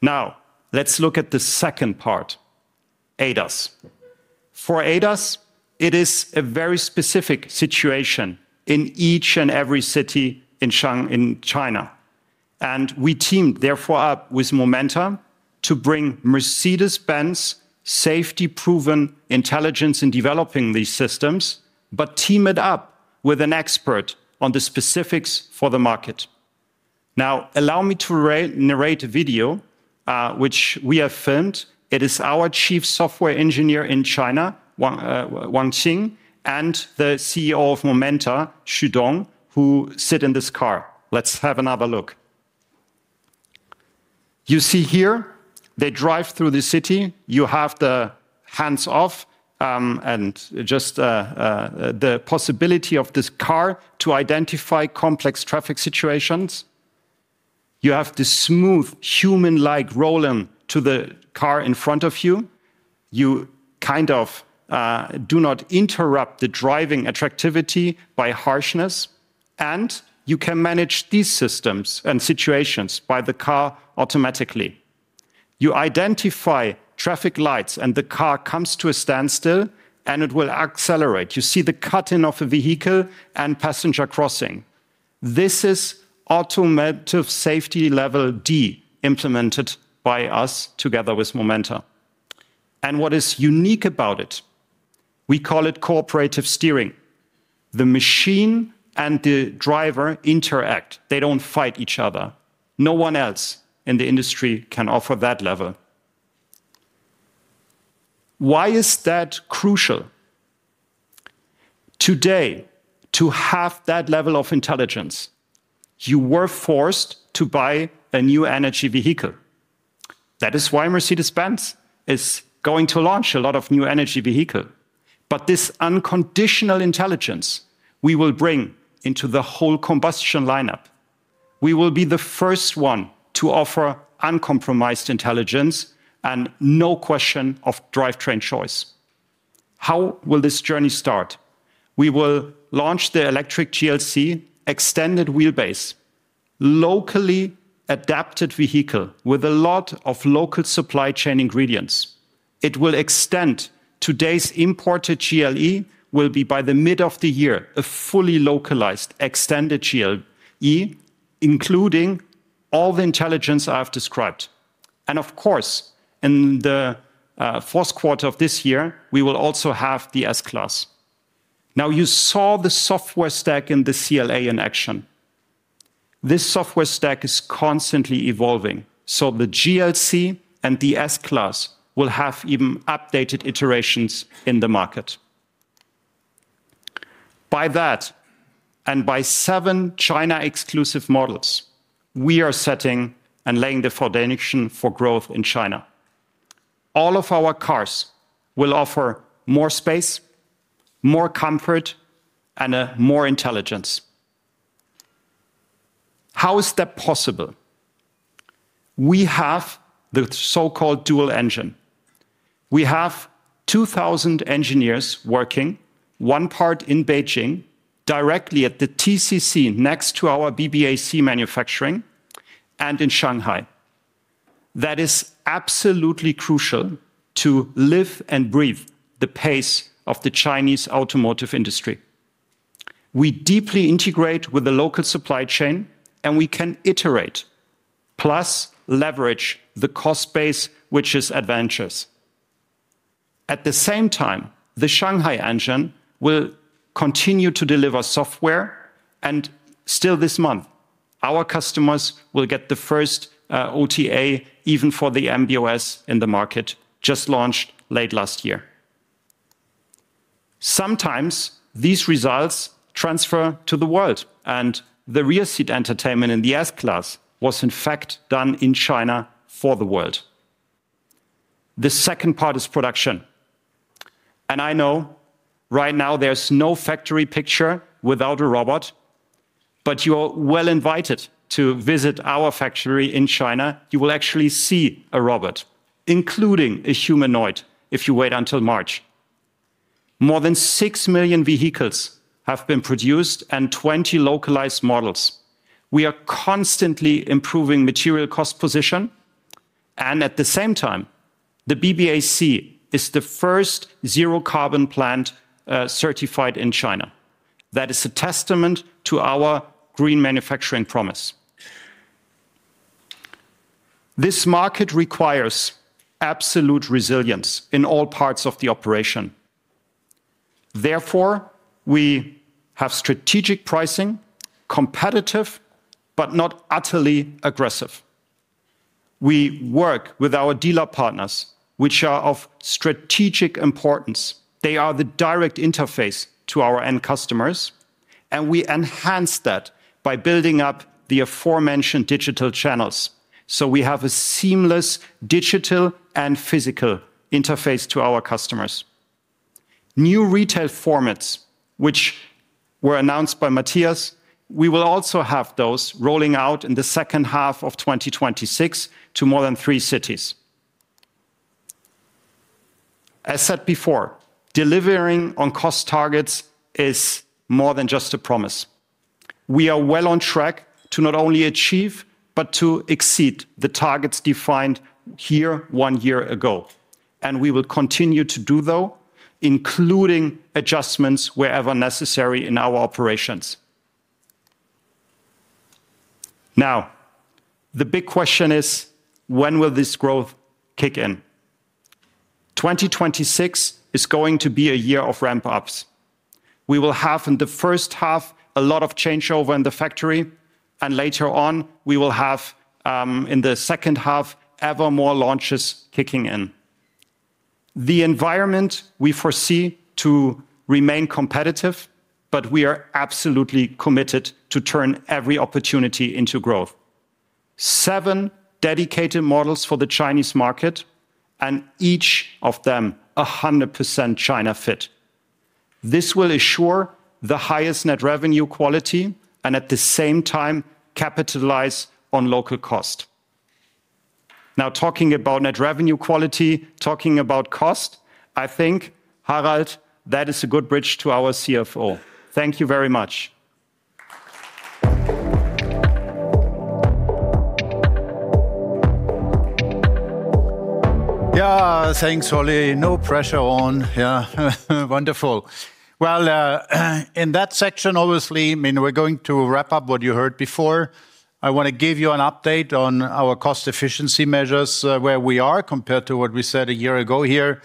F: Now, let's look at the second part, ADAS. For ADAS, it is a very specific situation in each and every city in Shanghai in China. And we teamed, therefore, up with Momenta to bring Mercedes-Benz safety-proven intelligence in developing these systems, but team it up with an expert on the specifics for the market. Now, allow me to narrate a video, which we have filmed. It is our Chief Software Engineer in China, Wang Xin, and the CEO of Momenta, Xudong. Let's have another look. You see here, they drive through the city. You have the hands-off and just the possibility of this car to identify complex traffic situations. You have the smooth human-like rolling to the car in front of you. You kind of do not interrupt the driving attractivity by harshness, and you can manage these systems and situations by the car automatically. You identify traffic lights, and the car comes to a standstill, and it will accelerate. You see the cut-in of a vehicle and passenger crossing. This is automotive safety level D, implemented by us together with Momenta. And what is unique about it, we call it cooperative steering. The machine and the driver interact. They don't fight each other. No one else in the industry can offer that level. Why is that crucial? Today, to have that level of intelligence, you were forced to buy a new energy vehicle. That is why Mercedes-Benz is going to launch a lot of new energy vehicle. But this unconditional intelligence we will bring into the whole combustion lineup. We will be the first one to offer uncompromised intelligence and no question of drivetrain choice. How will this journey start? We will launch the electric GLC extended wheelbase, locally adapted vehicle with a lot of local supply chain ingredients. It will extend today's imported GLE, will be by the mid of the year, a fully localized extended GLE, including all the intelligence I have described. And of course, in the fourth quarter of this year, we will also have the S-Class. Now, you saw the software stack in the CLA in action. This software stack is constantly evolving, so the GLC and the S-Class will have even updated iterations in the market. By that, and by seven China-exclusive models, we are setting and laying the foundation for growth in China. All of our cars will offer more space, more comfort, and more intelligence. How is that possible? We have the so-called dual engine. We have 2,000 engineers working, one part in Beijing, directly at the TCC, next to our BBAC manufacturing, and in Shanghai. That is absolutely crucial to live and breathe the pace of the Chinese automotive industry. We deeply integrate with the local supply chain, and we can iterate, plus leverage the cost base, which is advantageous. At the same time, the Shanghai engine will continue to deliver software, and still this month, our customers will get the first OTA, even for the MB.OS in the market, just launched late last year. Sometimes these results transfer to the world, and the rear seat entertainment in the S-Class was, in fact, done in China for the world. The second part is production, and I know right now there's no factory picture without a robot, but you're well invited to visit our factory in China. You will actually see a robot, including a humanoid, if you wait until March. More than 6 million vehicles have been produced and 20 localized models. We are constantly improving material cost position, and at the same time, the BBAC is the first zero-carbon plant certified in China. That is a testament to our green manufacturing promise. This market requires absolute resilience in all parts of the operation. Therefore, we have strategic pricing, competitive, but not utterly aggressive. We work with our dealer partners, which are of strategic importance. They are the direct interface to our end customers, and we enhance that by building up the aforementioned digital channels, so we have a seamless digital and physical interface to our customers. New retail formats, which were announced by Mathias, we will also have those rolling out in the second half of 2026 to more than three cities. As said before, delivering on cost targets is more than just a promise. We are well on track to not only achieve, but to exceed the targets defined here one year ago, and we will continue to do so, including adjustments wherever necessary in our operations. Now, the big question is: when will this growth kick in? 2026 is going to be a year of ramp-ups. We will have, in the first half, a lot of changeover in the factory, and later on, we will have, in the second half, ever more launches kicking in. The environment we foresee to remain competitive, but we are absolutely committed to turn every opportunity into growth. Seven dedicated models for the Chinese market, and each of them are 100% China fit. This will ensure the highest net revenue quality and, at the same time, capitalize on local cost. Now, talking about net revenue quality, talking about cost, I think, Harald, that is a good bridge to our CFO. Thank you very much.
D: Yeah, thanks, Oli. No pressure on. Yeah, wonderful. Well, in that section, obviously, I mean, we're going to wrap up what you heard before. I want to give you an update on our cost efficiency measures, where we are compared to what we said a year ago here,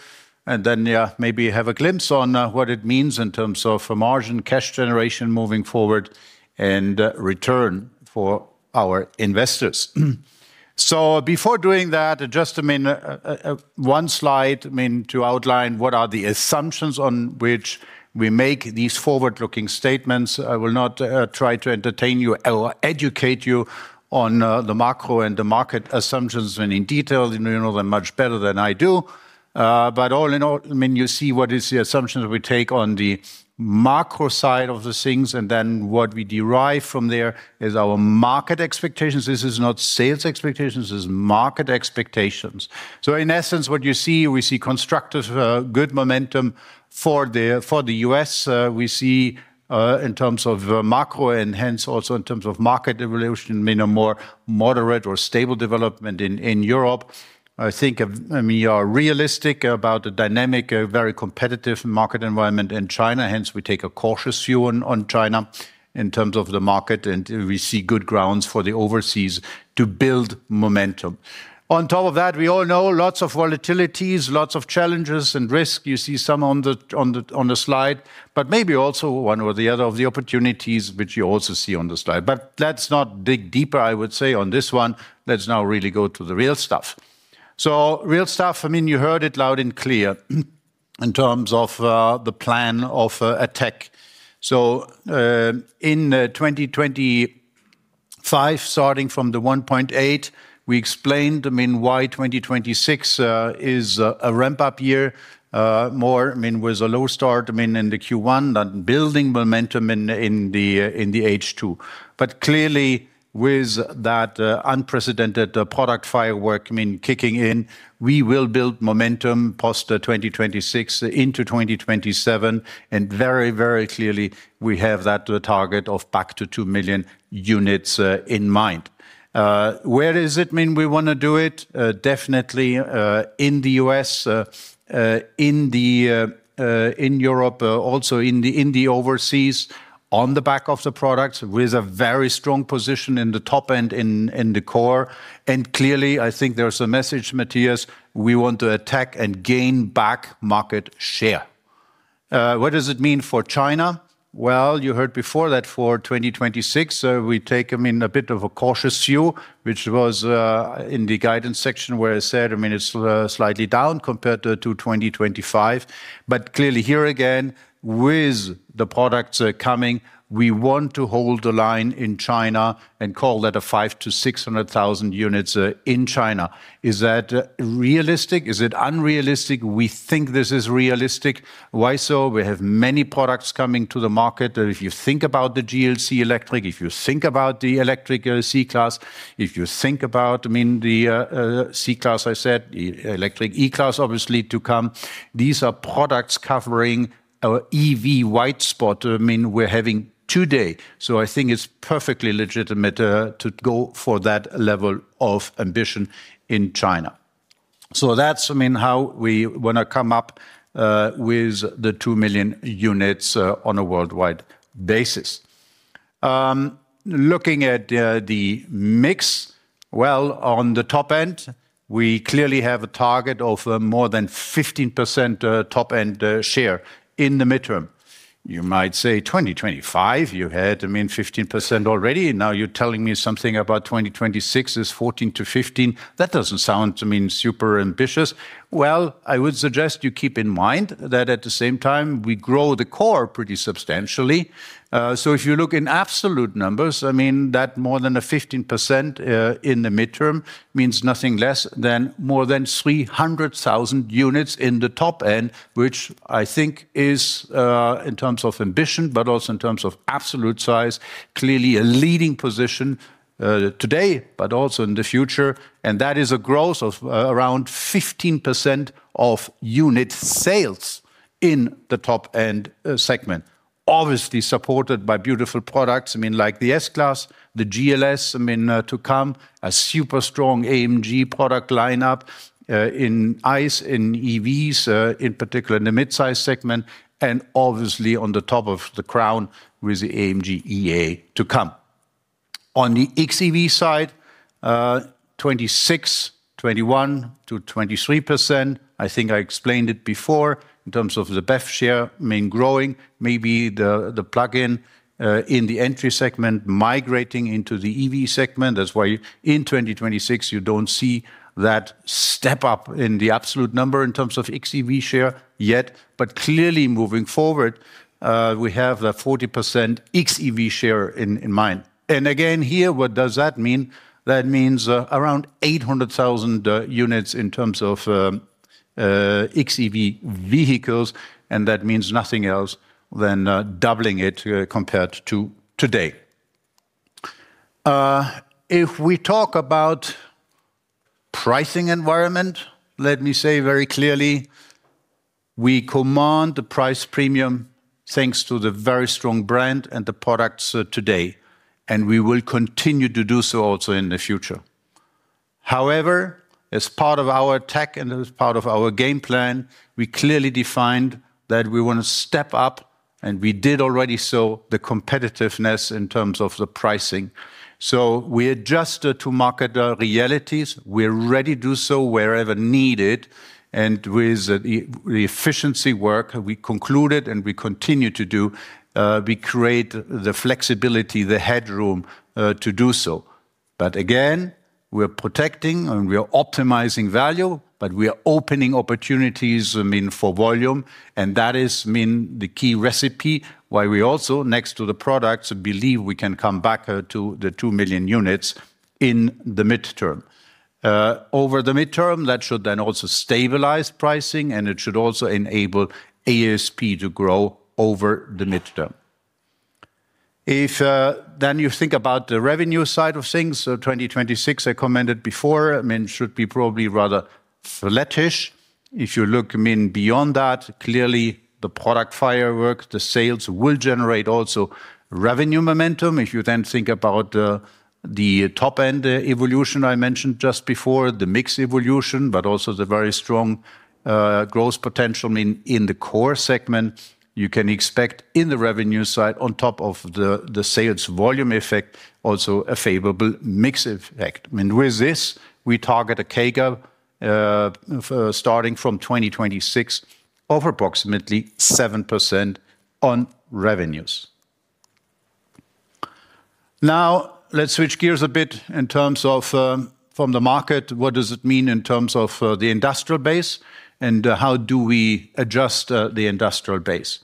D: and then, yeah, maybe have a glimpse on, what it means in terms of margin, cash generation moving forward, and, return for our investors. So before doing that, just a minute, one slide, I mean, to outline what are the assumptions on which we make these forward-looking statements. I will not, try to entertain you or educate you on, the macro and the market assumptions and in detail, you know them much better than I do. But all in all, I mean, you see what is the assumption that we take on the macro side of the things, and then what we derive from there is our market expectations. This is not sales expectations, this is market expectations. So in essence, what you see, we see constructive, good momentum for the, for the U.S. We see, in terms of, macro and hence also in terms of market evolution, I mean, a more moderate or stable development in, in Europe. I think, we are realistic about the dynamic, a very competitive market environment in China. Hence, we take a cautious view on China in terms of the market, and we see good grounds for the overseas to build momentum. On top of that, we all know lots of volatilities, lots of challenges and risk. You see some on the slide, but maybe also one or the other of the opportunities, which you also see on the slide. But let's not dig deeper, I would say, on this one. Let's now really go to the real stuff. So real stuff, I mean, you heard it loud and clear, in terms of the plan of attack. So, in 2025, starting from the 1.8, we explained, I mean, why 2026 is a ramp-up year, more, I mean, with a low start, I mean, in the Q1, than building momentum in the H2. But clearly, with that, unprecedented, product firework, I mean, kicking in, we will build momentum post-2026 into 2027, and very, very clearly, we have that target of back to 2 million units, in mind. Where does it mean we want to do it? Definitely, in the U.S., in the, in Europe, also in the, in the overseas, on the back of the products, with a very strong position in the Top-End in, in the Core. And clearly, I think there's a message, Mathias, we want to attack and gain back market share. What does it mean for China? Well, you heard before that for 2026, we take, I mean, a bit of a cautious view, which was, in the guidance section, where I said, I mean, it's, slightly down compared to 2025, but clearly here again, with the products coming, we want to hold the line in China and call that a 500,000-600,000 units, in China. Is that realistic? Is it unrealistic? We think this is realistic. Why so? We have many products coming to the market. If you think about the GLC electric, if you think about the electric C-Class, if you think about, I mean, the C-Class, I said, electric E-Class, obviously, to come. These are products covering our EV white spot, I mean, we're having today. So I think it's perfectly legitimate, to go for that level of ambition in China. So that's, I mean, how we want to come up, with the 2 million units, on a worldwide basis. Looking at, the mix, well, on the Top-End, we clearly have a target of, more than 15%, Top-End, share in the midterm. You might say 2025, you had, I mean, 15% already, now you're telling me something about 2026 is 14%-15%. That doesn't sound to mean super ambitious. Well, I would suggest you keep in mind that at the same time, we grow the core pretty substantially. If you look in absolute numbers, I mean, that more than a 15% in the mid-term means nothing less than more than 300,000 units in the Top-End, which I think is, in terms of ambition, but also in terms of absolute size, clearly a leading position, today, but also in the future, and that is a growth of, around 15% of unit sales in the Top-End segment. Obviously, supported by beautiful products, I mean, like the S-Class, the GLS, I mean, to come, a super strong AMG product lineup, in ICE, in EVs, in particular in the mid-size segment, and obviously on the top of the crown with the AMG EA to come. On the xEV side, 26%, 21%-23%. I think I explained it before in terms of the BEV share, I mean, growing, maybe the plugin in the entry segment, migrating into the EV segment. That's why in 2026, you don't see that step up in the absolute number in terms of xEV share yet, but clearly moving forward, we have a 40% xEV share in mind. And again, here, what does that mean? That means around 800,000 units in terms of xEV vehicles, and that means nothing else than doubling it compared to today. If we talk about pricing environment, let me say very clearly, we command the price premium, thanks to the very strong brand and the products today, and we will continue to do so also in the future. However, as part of our tech and as part of our game plan, we clearly defined that we want to step up, and we did already, so the competitiveness in terms of the pricing. So we adjusted to market realities. We're ready to do so wherever needed, and with the efficiency work we concluded and we continue to do, we create the flexibility, the headroom to do so. But again, we're protecting and we are optimizing value, but we are opening opportunities, I mean, for volume, and that is mean the key recipe why we also, next to the products, believe we can come back to the 2 million units in the midterm. Over the midterm, that should then also stabilize pricing, and it should also enable ASP to grow over the midterm. If, then you think about the revenue side of things, so 2026, I commented before, I mean, should be probably rather flattish. If you look, I mean, beyond that, clearly the product firework, the sales will generate also revenue momentum. If you then think about the Top-End evolution I mentioned just before, the mix evolution, but also the very strong growth potential, I mean, in the Core segment, you can expect in the revenue side, on top of the sales volume effect, also a favorable mix effect. I mean, with this, we target a CAGR for starting from 2026 of approximately 7% on revenues. Now, let's switch gears a bit in terms of from the market. What does it mean in terms of the industrial base, and how do we adjust the industrial base?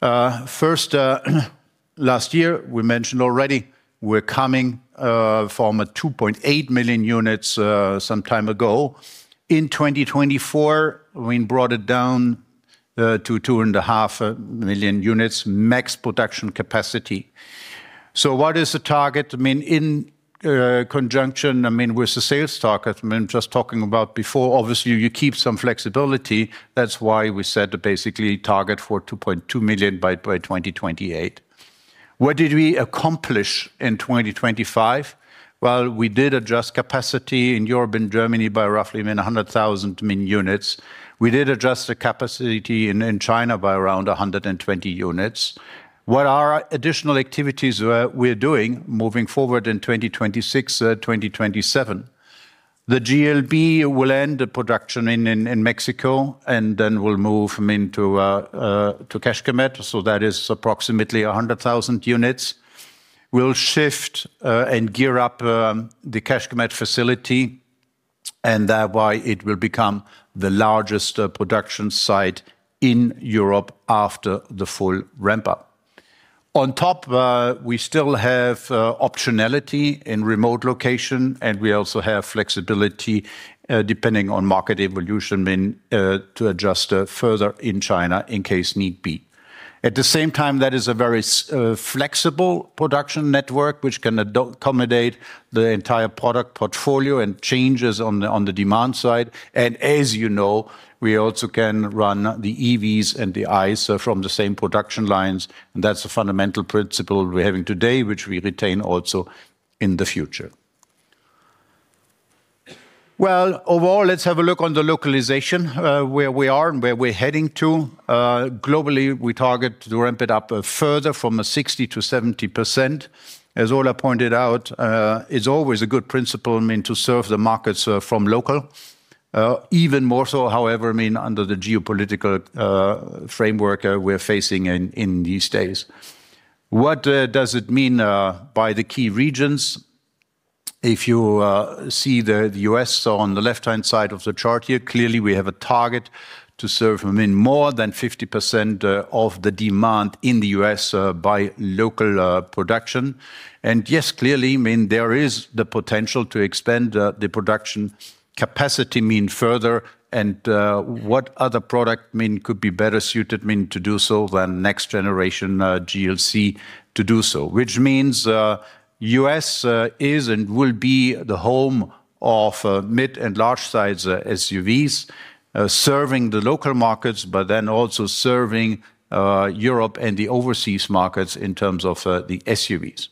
D: First, last year, we mentioned already we're coming from a 2.8 million units some time ago. In 2024, we brought it down to 2.5 million units max production capacity. So what is the target? I mean, in conjunction, I mean, with the sales target, I mean, just talking about before, obviously you keep some flexibility. That's why we set to basically target for 2.2 million by 2028. What did we accomplish in 2025? Well, we did adjust capacity in Europe and Germany by roughly 100,000 mean units. We did adjust the capacity in China by around 120 units. What are additional activities we're doing moving forward in 2026, 2027? The GLB will end production in Mexico, and then we'll move them into Kecskemét, so that is approximately 100,000 units. We'll shift and gear up the Kecskemét facility, and thereby it will become the largest production site in Europe after the full ramp up. On top, we still have optionality in remote location, and we also have flexibility depending on market evolution, I mean to adjust further in China in case need be. At the same time, that is a very flexible production network, which can accommodate the entire product portfolio and changes on the demand side. As you know, we also can run the EVs and the ICE from the same production lines, and that's a fundamental principle we're having today, which we retain also in the future. Well, overall, let's have a look on the localization, where we are and where we're heading to. Globally, we target to ramp it up further from 60%-70%. As Ola pointed out, it's always a good principle, I mean, to serve the markets from local. Even more so, however, I mean, under the geopolitical framework we're facing in these days. What does it mean by the key regions? If you see the U.S. on the left-hand side of the chart here, clearly, we have a target to serve, I mean, more than 50% of the demand in the U.S. by local production. And yes, clearly, I mean, there is the potential to expand the production capacity, mean, further. What other product, I mean, could be better suited, I mean, to do so than next generation GLC to do so? Which means, U.S., is and will be the home of mid- and large-sized SUVs, serving the local markets, but then also serving Europe and the overseas markets in terms of the SUVs.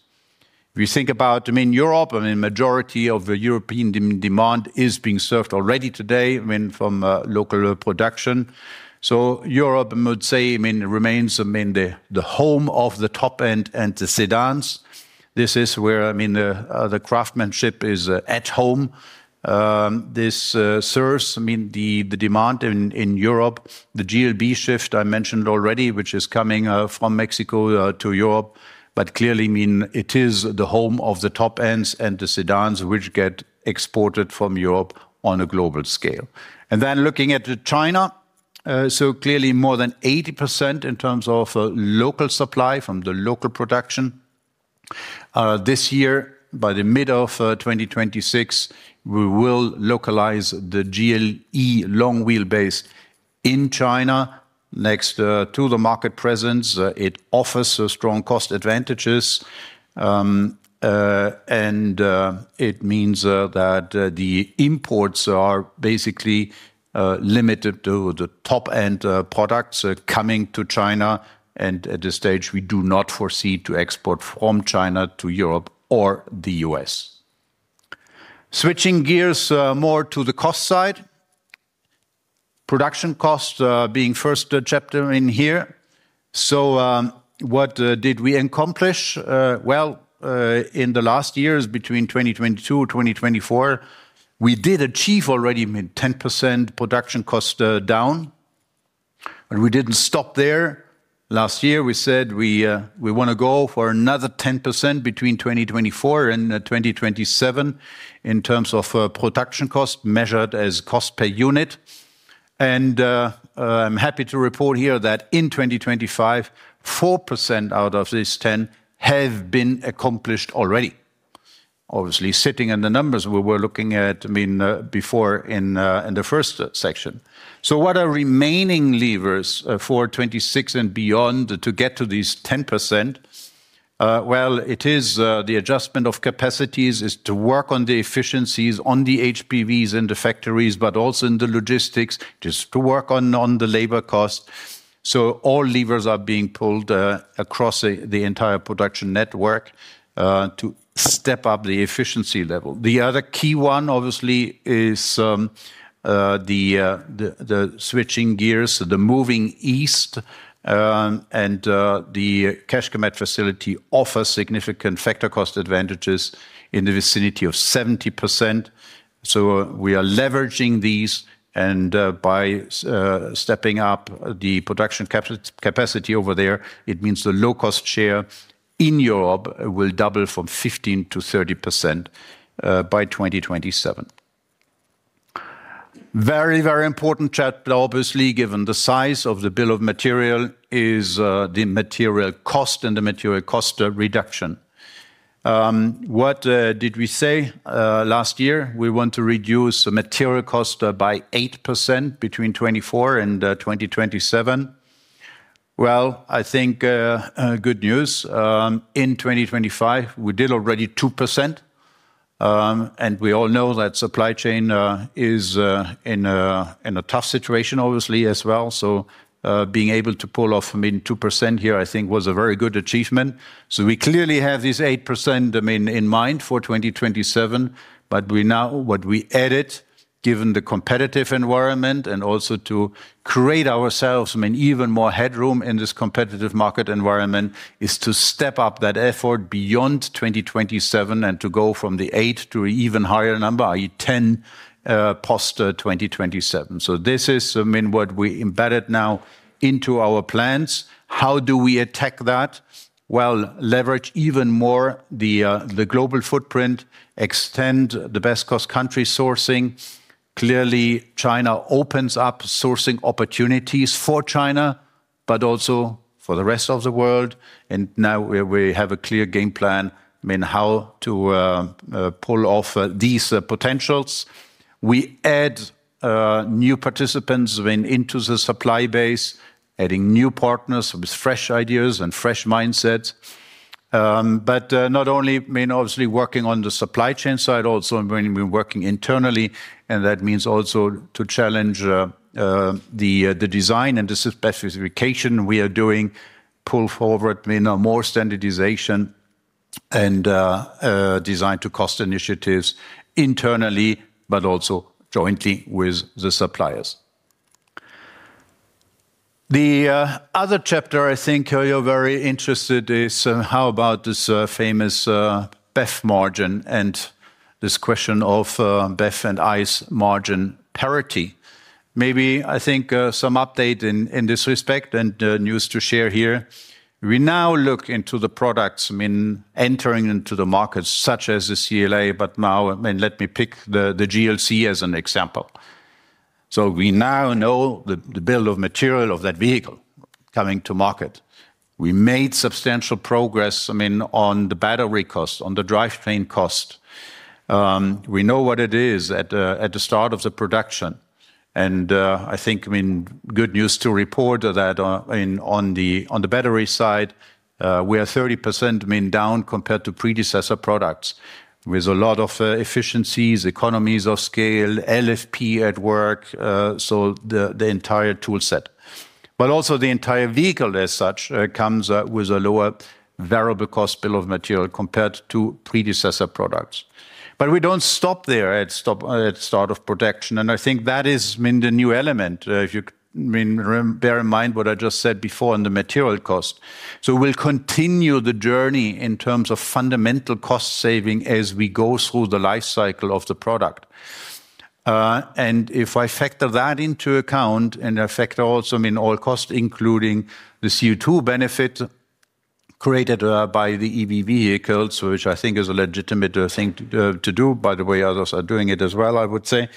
D: If you think about, I mean, Europe, I mean, majority of the European demand is being served already today, I mean, from local production. So Europe, I would say, I mean, the home of the Top-End and the sedans. This is where, I mean, the craftsmanship is at home. This serves, I mean, the demand in Europe, the GLB shift I mentioned already, which is coming from Mexico to Europe, but clearly, I mean, it is the home of the Top-End and the sedans, which get exported from Europe on a global scale. And then looking at China, so clearly more than 80% in terms of local supply from the local production. This year, by the middle of 2026, we will localize the GLE long wheelbase in China next to the market presence. It offers strong cost advantages and it means that the imports are basically limited to the Top-End products coming to China. And at this stage, we do not foresee to export from China to Europe or the U.S. Switching gears, more to the cost side. Production cost, being first chapter in here. So, what did we accomplish? Well, in the last years, between 2022, 2024, we did achieve already, I mean, 10% production cost down. And we didn't stop there. Last year, we said we wanna go for another 10% between 2024 and 2027 in terms of production cost, measured as cost per unit. And I'm happy to report here that in 2025, 4% out of this 10% have been accomplished already. Obviously, sitting on the numbers we were looking at, I mean, before in the first section. So what are remaining levers for 2026 and beyond to get to these 10%? Well, it is the adjustment of capacities, is to work on the efficiencies on the HPVs in the factories, but also in the logistics, just to work on the labor cost. So all levers are being pulled across the entire production network to step up the efficiency level. The other key one, obviously, is the switching gears, the moving east. And the Kecskemét facility offers significant factor cost advantages in the vicinity of 70%. So we are leveraging these, and by stepping up the production capacity over there, it means the low-cost share in Europe will double from 15%-30% by 2027. Very, very important chapter, obviously, given the size of the bill of material, is the material cost and the material cost reduction. What did we say last year? We want to reduce the material cost by 8% between 2024 and 2027. Well, I think good news, in 2025, we did already 2%. And we all know that supply chain is in a tough situation, obviously, as well. So, being able to pull off, I mean, 2% here, I think, was a very good achievement. So we clearly have this 8%, I mean, in mind for 2027, but we now, what we added, given the competitive environment and also to create ourselves, I mean, even more headroom in this competitive market environment, is to step up that effort beyond 2027 and to go from the eight to an even higher number, i.e., 10 post-2027. So this is, I mean, what we embedded now into our plans. How do we attack that? Well, leverage even more the global footprint, extend the best cost country sourcing. Clearly, China opens up sourcing opportunities for China, but also for the rest of the world, and now we have a clear game plan, I mean, how to pull off these potentials. We add new participants into the supply base, adding new partners with fresh ideas and fresh mindsets. But not only, I mean, obviously, working on the supply chain side, also, I mean, we're working internally, and that means also to challenge the design and the specification we are doing, pull forward, I mean, more standardization and design-to-cost initiatives internally, but also jointly with the suppliers. The other chapter I think you're very interested in is how about this famous BEV margin and this question of BEV and ICE margin parity? Maybe I think some update in this respect and news to share here. We now look into the products, I mean, entering into the markets such as the CLA, but now, I mean, let me pick the GLC as an example. So we now know the bill of material of that vehicle coming to market. We made substantial progress, I mean, on the battery cost, on the drivetrain cost. We know what it is at the start of the production, and I think, I mean, good news to report that, in... On the battery side, we are 30%, I mean, down compared to predecessor products, with a lot of efficiencies, economies of scale, LFP at work, so the entire toolset. But also the entire vehicle as such comes with a lower variable cost bill of material compared to predecessor products. But we don't stop there at start of production, and I think that is, I mean, the new element, if you, I mean, bear in mind what I just said before on the material cost. So we'll continue the journey in terms of fundamental cost saving as we go through the life cycle of the product. And if I factor that into account, and I factor also, I mean, all costs, including the CO2 benefit created by the EV vehicles, which I think is a legitimate thing to do, by the way, others are doing it as well, I would say.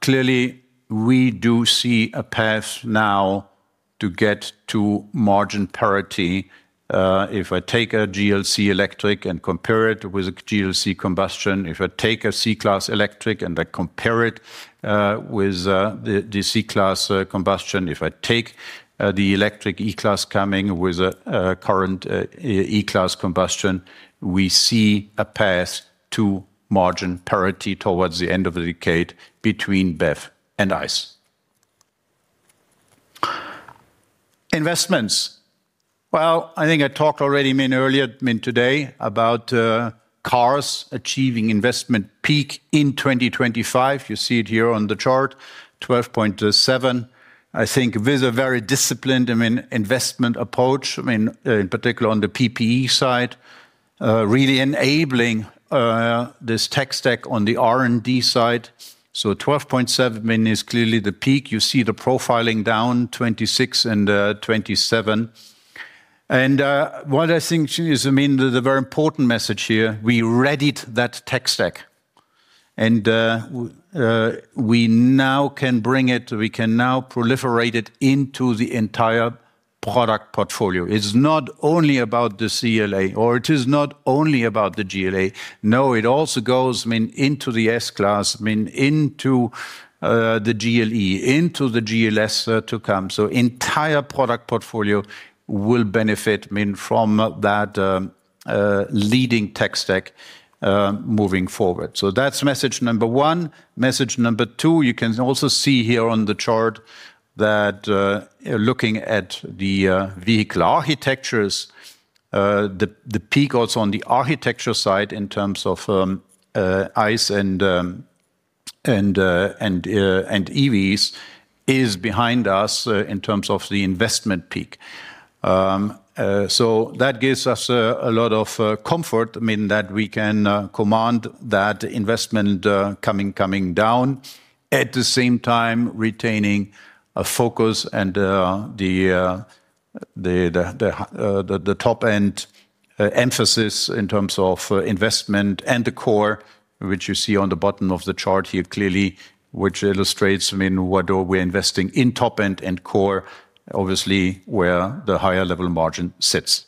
D: Clearly, we do see a path now to get to margin parity. If I take a GLC electric and compare it with a GLC combustion, if I take a C-Class electric and I compare it with the C-Class combustion, if I take the electric E-Class coming with a current E-Class combustion, we see a path to margin parity towards the end of the decade between BEV and ICE. Investments. Well, I think I talked already, I mean, earlier, I mean, today, about cars achieving investment peak in 2025. You see it here on the chart, 12.7. I think with a very disciplined, I mean, investment approach, I mean, in particular on the PP&E side, really enabling this tech stack on the R&D side. So 12.7 is clearly the peak. You see the profiling down 2026 and 2027. And what I think is, I mean, the very important message here, we readied that tech stack, and we now can bring it, we can now proliferate it into the entire product portfolio. It's not only about the CLA, or it is not only about the GLC. No, it also goes, I mean, into the S-Class, I mean, into the GLE, into the GLS to come. So entire product portfolio will benefit, I mean, from that leading tech stack moving forward. So that's message number one. Message number two, you can also see here on the chart that, looking at the vehicle architectures, the peak also on the architecture side in terms of ICE and EVs is behind us, in terms of the investment peak. So that gives us a lot of comfort, I mean, that we can command that investment coming down, at the same time retaining a focus and the Top-End emphasis in terms of investment and the core, which you see on the bottom of the chart here clearly, which illustrates, I mean, what are we investing in Top-End and Core, obviously, where the higher level margin sits.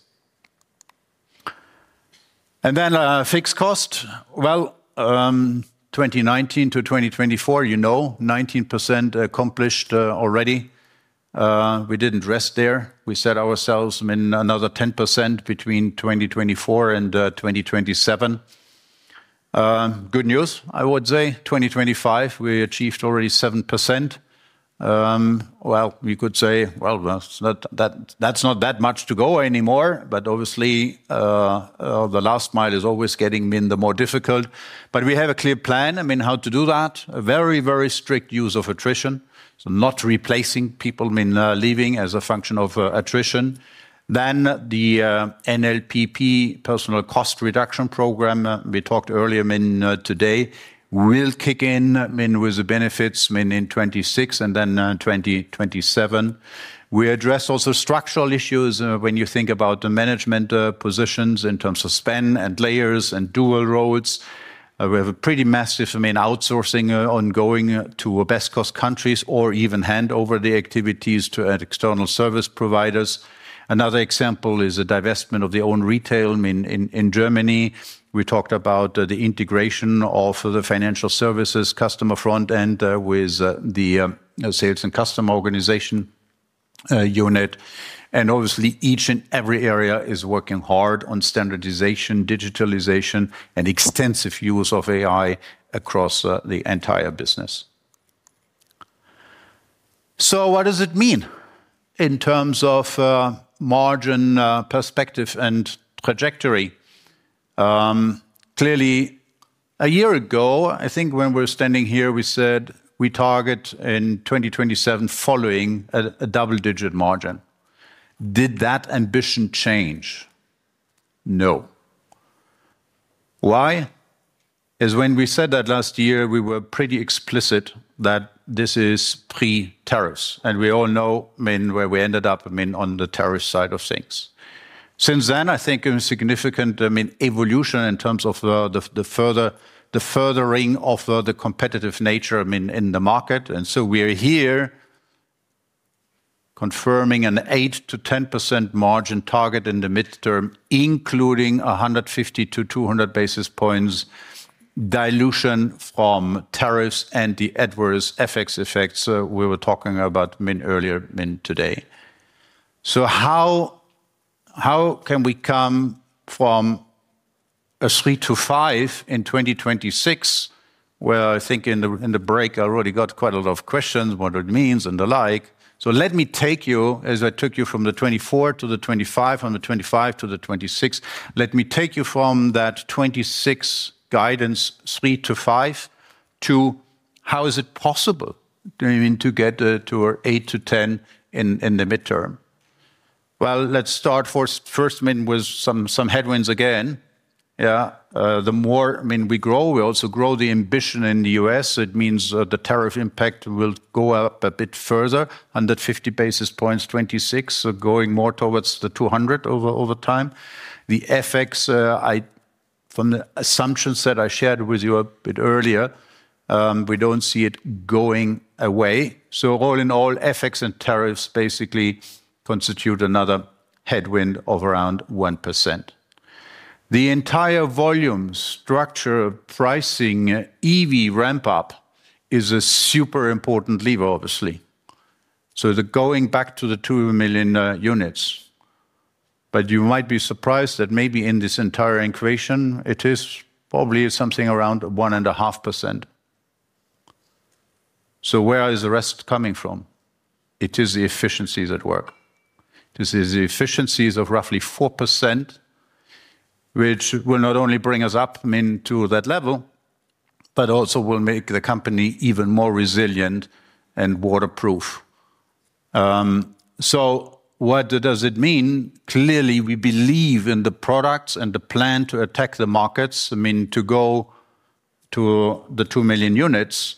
D: And then fixed cost. Well, 2019 to 2024, you know, 19% accomplished already. We didn't rest there. We set ourselves, I mean, another 10% between 2024 and 2027. Good news, I would say. 2025, we achieved already 7%. Well, we could say, well, it's not that—that's not that much to go anymore, but obviously, the last mile is always getting, I mean, the more difficult. But we have a clear plan, I mean, how to do that. A very, very strict use of attrition, so not replacing people, I mean, leaving as a function of attrition. Then the NLPP, personnel cost reduction program, we talked earlier, I mean, today, will kick in, I mean, with the benefits, I mean, in 2026 and then 2027. We address also structural issues, when you think about the management, positions in terms of spend and layers and dual roles. We have a pretty massive, I mean, outsourcing, ongoing to best-cost countries or even hand over the activities to, external service providers. Another example is a divestment of the Own Retail, I mean, in Germany. We talked about, the integration of the Financial Services customer front end, with, the, sales and customer organization, unit. And obviously, each and every area is working hard on standardization, digitalization, and extensive use of AI across, the entire business. So what does it mean in terms of, margin, perspective and trajectory? Clearly, a year ago, I think when we're standing here, we said we target in 2027 following a double-digit margin. Did that ambition change? No. Why? When we said that last year, we were pretty explicit that this is pre-tariffs, and we all know, I mean, where we ended up, I mean, on the tariff side of things. Since then, I think a significant, I mean, evolution in terms of the furthering of the competitive nature, I mean, in the market. And so we are here confirming an 8%-10% margin target in the midterm, including 150-200 basis points dilution from tariffs and the adverse effects we were talking about, I mean, earlier, I mean, today. So how can we come from a 3-5 in 2026, where I think in the break, I already got quite a lot of questions, what it means and the like. So let me take you, as I took you from 2024 to 2025, from 2025 to 2026. Let me take you from that 2026 guidance, 3-5, to how is it possible, do you mean, to get to an 8-10 in the midterm? Well, let's start first, I mean, with some headwinds again. Yeah, the more, I mean, we grow, we also grow the ambition in the US. It means, the tariff impact will go up a bit further, under 50 basis points, 2026, so going more towards the 200 over time. The FX, I... From the assumptions that I shared with you a bit earlier, we don't see it going away. So all in all, FX and tariffs basically constitute another headwind of around 1%. The entire volume structure pricing EV ramp-up is a super important lever, obviously. So, going back to the 2 million units, but you might be surprised that maybe in this entire equation, it is probably something around 1.5%. So where is the rest coming from? It is the efficiencies at work. This is the efficiencies of roughly 4%, which will not only bring us up, I mean, to that level, but also will make the company even more resilient and waterproof. So what does it mean? Clearly, we believe in the products and the plan to attack the markets, I mean, to go to the 2 million units.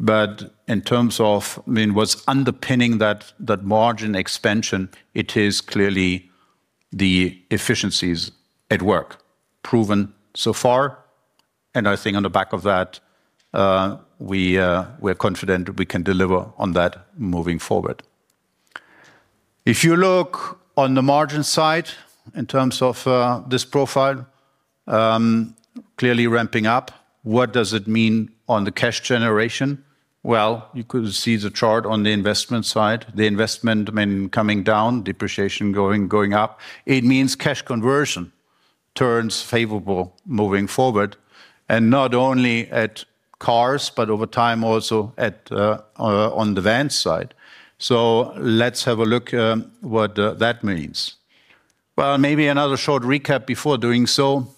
D: But in terms of, I mean, what's underpinning that, that margin expansion, it is clearly the efficiencies at work, proven so far. I think on the back of that, we're confident we can deliver on that moving forward. If you look on the margin side, in terms of this profile, clearly ramping up, what does it mean on the cash generation? Well, you could see the chart on the investment side. The investment, I mean, coming down, depreciation going up. It means cash conversion turns favorable moving forward, and not only at cars, but over time, also on the van side. So let's have a look at what that means. Well, maybe another short recap before doing so.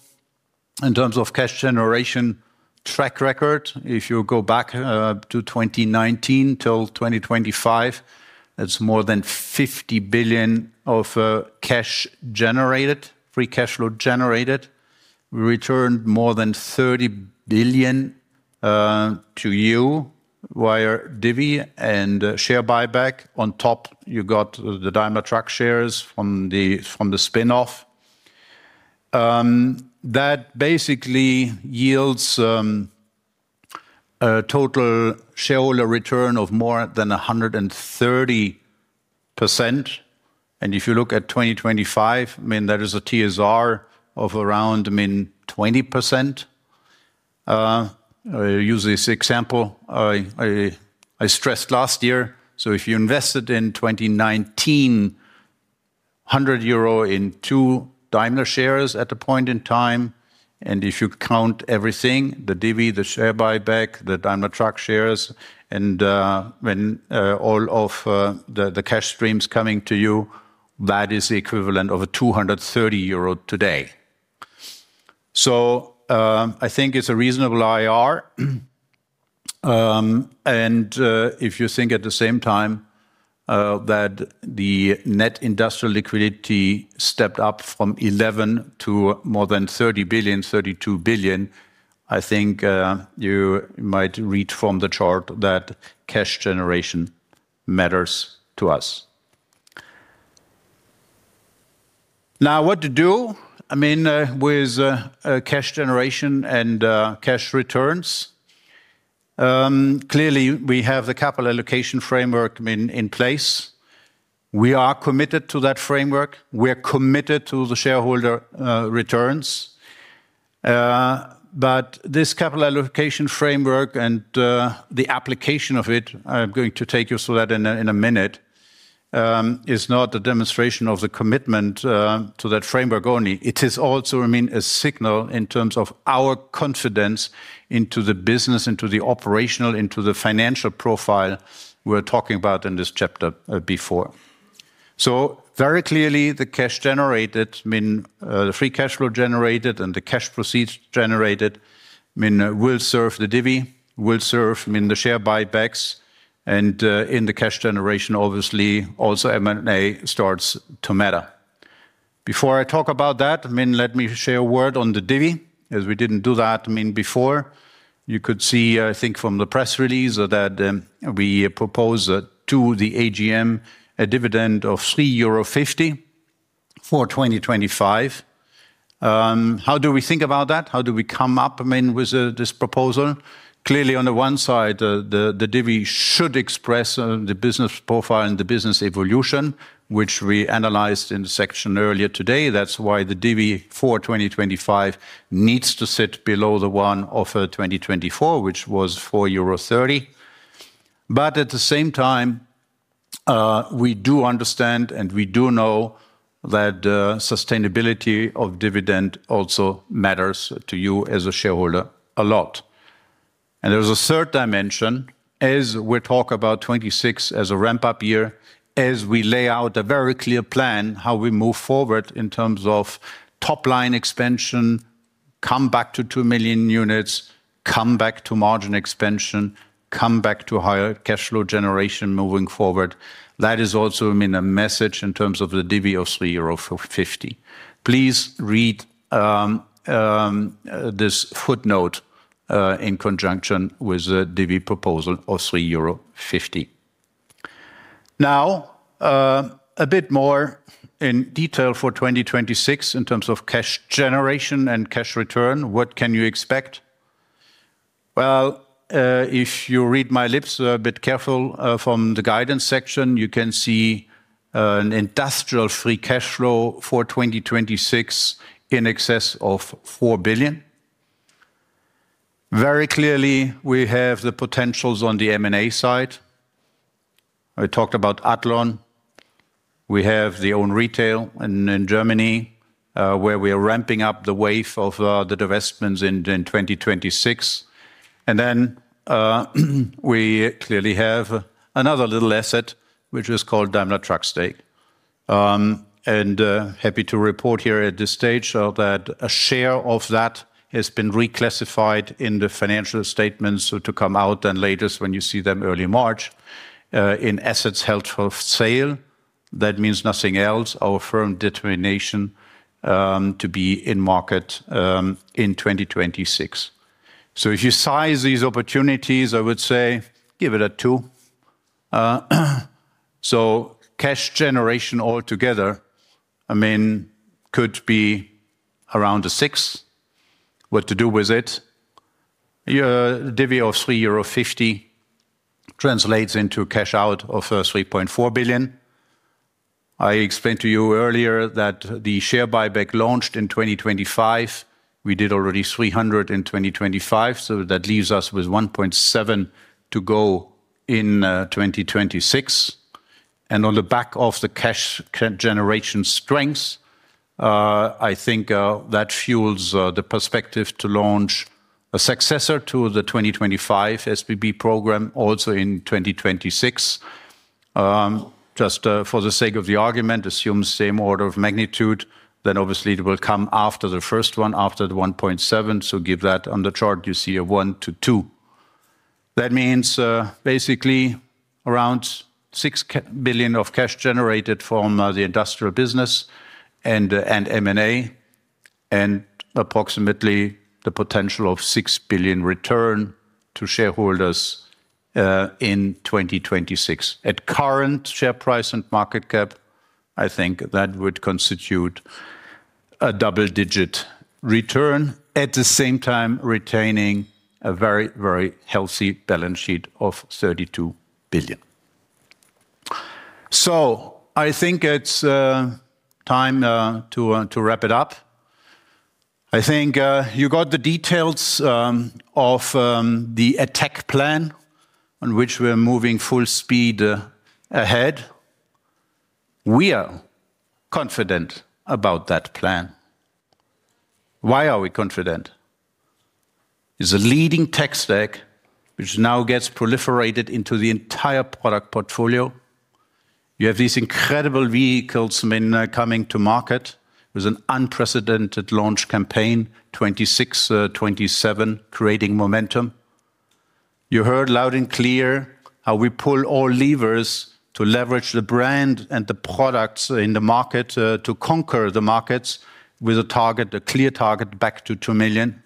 D: In terms of cash generation track record, if you go back to 2019 till 2025, that's more than 50 billion of cash generated, free cash flow generated. We returned more than 30 billion to you via divvy and share buyback. On top, you got the Daimler Truck shares from the spin-off. That basically yields a total shareholder return of more than 130%. And if you look at 2025, I mean, that is a TSR of around, I mean, 20%. I use this example, I stressed last year, so if you invested in 2019, 100 euro in two Daimler shares at a point in time, and if you count everything, the divvy, the share buyback, the Daimler Truck shares, and when all of the cash streams coming to you, that is the equivalent of 230 euro today. So, I think it's a reasonable IRR. And if you think at the same time that the net industrial liquidity stepped up from 11 billion to more than 30 billion, 32 billion, I think, you might read from the chart that cash generation matters to us. Now, what to do, I mean, with cash generation and cash returns? Clearly, we have the capital allocation framework, I mean, in place. We are committed to that framework. We are committed to the shareholder returns. But this capital allocation framework and the application of it, I'm going to take you through that in a minute, is not a demonstration of the commitment to that framework only. It is also, I mean, a signal in terms of our confidence into the business, into the operational, into the financial profile we're talking about in this chapter before. So very clearly, the cash generated, I mean, the free cash flow generated and the cash proceeds generated, I mean, will serve the divvy, will serve, I mean, the share buybacks, and in the cash generation, obviously, also M&A starts to matter. Before I talk about that, I mean, let me share a word on the divvy, as we didn't do that, I mean, before. You could see, I think from the press release, that we propose to the AGM a dividend of 3.50 euro for 2025. How do we think about that? How do we come up, I mean, with this proposal? Clearly, on the one side, the dividend should express the business profile and the business evolution, which we analyzed in the section earlier today. That's why the dividend for 2025 needs to sit below the one of 2024, which was 4.30 euro. But at the same time, we do understand, and we do know that sustainability of dividend also matters to you as a shareholder a lot. There is a third dimension, as we talk about 2026 as a ramp-up year, as we lay out a very clear plan, how we move forward in terms of top-line expansion, come back to 2 million units, come back to margin expansion, come back to higher cash flow generation moving forward. That is also, I mean, a message in terms of the dividend of 3.40 euro. Please read this footnote in conjunction with the dividend proposal of 3.50 euro. Now, a bit more in detail for 2026 in terms of cash generation and cash return. What can you expect? Well, if you read my lips a bit careful, from the guidance section, you can see an industrial free cash flow for 2026 in excess of 4 billion. Very clearly, we have the potentials on the M&A side. I talked about Athlon. We have the Own Retail in Germany, where we are ramping up the wave of the divestments in 2026. And then, we clearly have another little asset, which is called Daimler Truck stake. Happy to report here at this stage that a share of that has been reclassified in the financial statements, so to come out, and latest when you see them early March in assets held for sale. That means nothing else, our firm determination to be in market in 2026. So if you size these opportunities, I would say give it a two. So cash generation all together, I mean, could be around a six. What to do with it? Your divvy of 3.50 euro translates into cash out of 3.4 billion. I explained to you earlier that the share buyback launched in 2025. We did already 300 million in 2025, so that leaves us with 1.7 billion to go in 2026. On the back of the cash generation strengths, I think that fuels the perspective to launch a successor to the 2025 SBB program also in 2026. Just for the sake of the argument, assume same order of magnitude, then obviously it will come after the first one, after the 1.7, so give that on the chart you see a 1-2. That means basically around 6 billion of cash generated from the industrial business and M&A, and approximately the potential of 6 billion return to shareholders in 2026. At current share price and market cap, I think that would constitute a double-digit return, at the same time retaining a very, very healthy balance sheet of 32 billion. So I think it's time to wrap it up. I think you got the details of the attack plan on which we're moving full speed ahead. We are confident about that plan. Why are we confident? Is a leading tech stack, which now gets proliferated into the entire product portfolio. You have these incredible vehicles, I mean, coming to market with an unprecedented launch campaign, 2026, 2027, creating momentum. You heard loud and clear how we pull all levers to leverage the brand and the products in the market to conquer the markets with a target, a clear target, back to 2 million.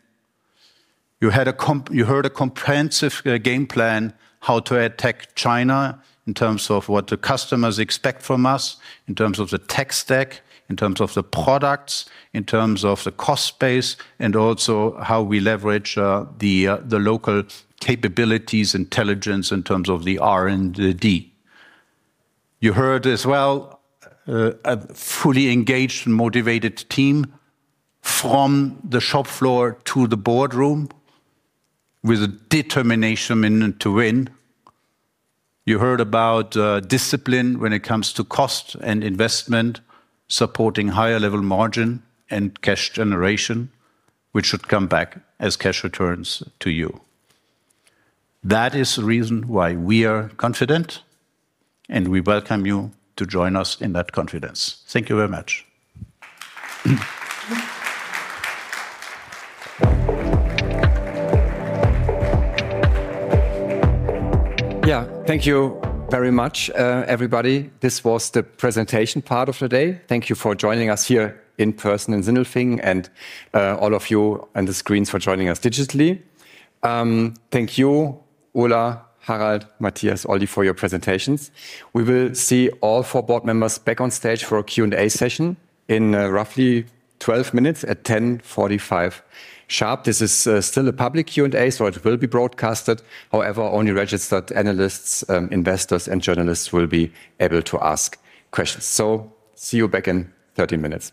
D: You heard a comprehensive game plan, how to attack China in terms of what the customers expect from us, in terms of the tech stack, in terms of the products, in terms of the cost base, and also how we leverage the local capabilities, intelligence, in terms of the R&D. You heard as well a fully engaged and motivated team from the shop floor to the boardroom with a determination, I mean, to win. You heard about discipline when it comes to cost and investment, supporting higher level margin and cash generation, which should come back as cash returns to you. That is the reason why we are confident, and we welcome you to join us in that confidence. Thank you very much.
B: Yeah, thank you very much, everybody. This was the presentation part of the day. Thank you for joining us here in person in Sindelfingen, and, all of you on the screens for joining us digitally. Thank you, Ola, Harald, Mathias, Oli, for your presentations. We will see all four board members back on stage for a Q&A session in, roughly 12 minutes at 10:45 A.M. sharp. This is, still a public Q&A, so it will be broadcasted. However, only registered analysts, investors, and journalists will be able to ask questions. So see you back in 30 minutes.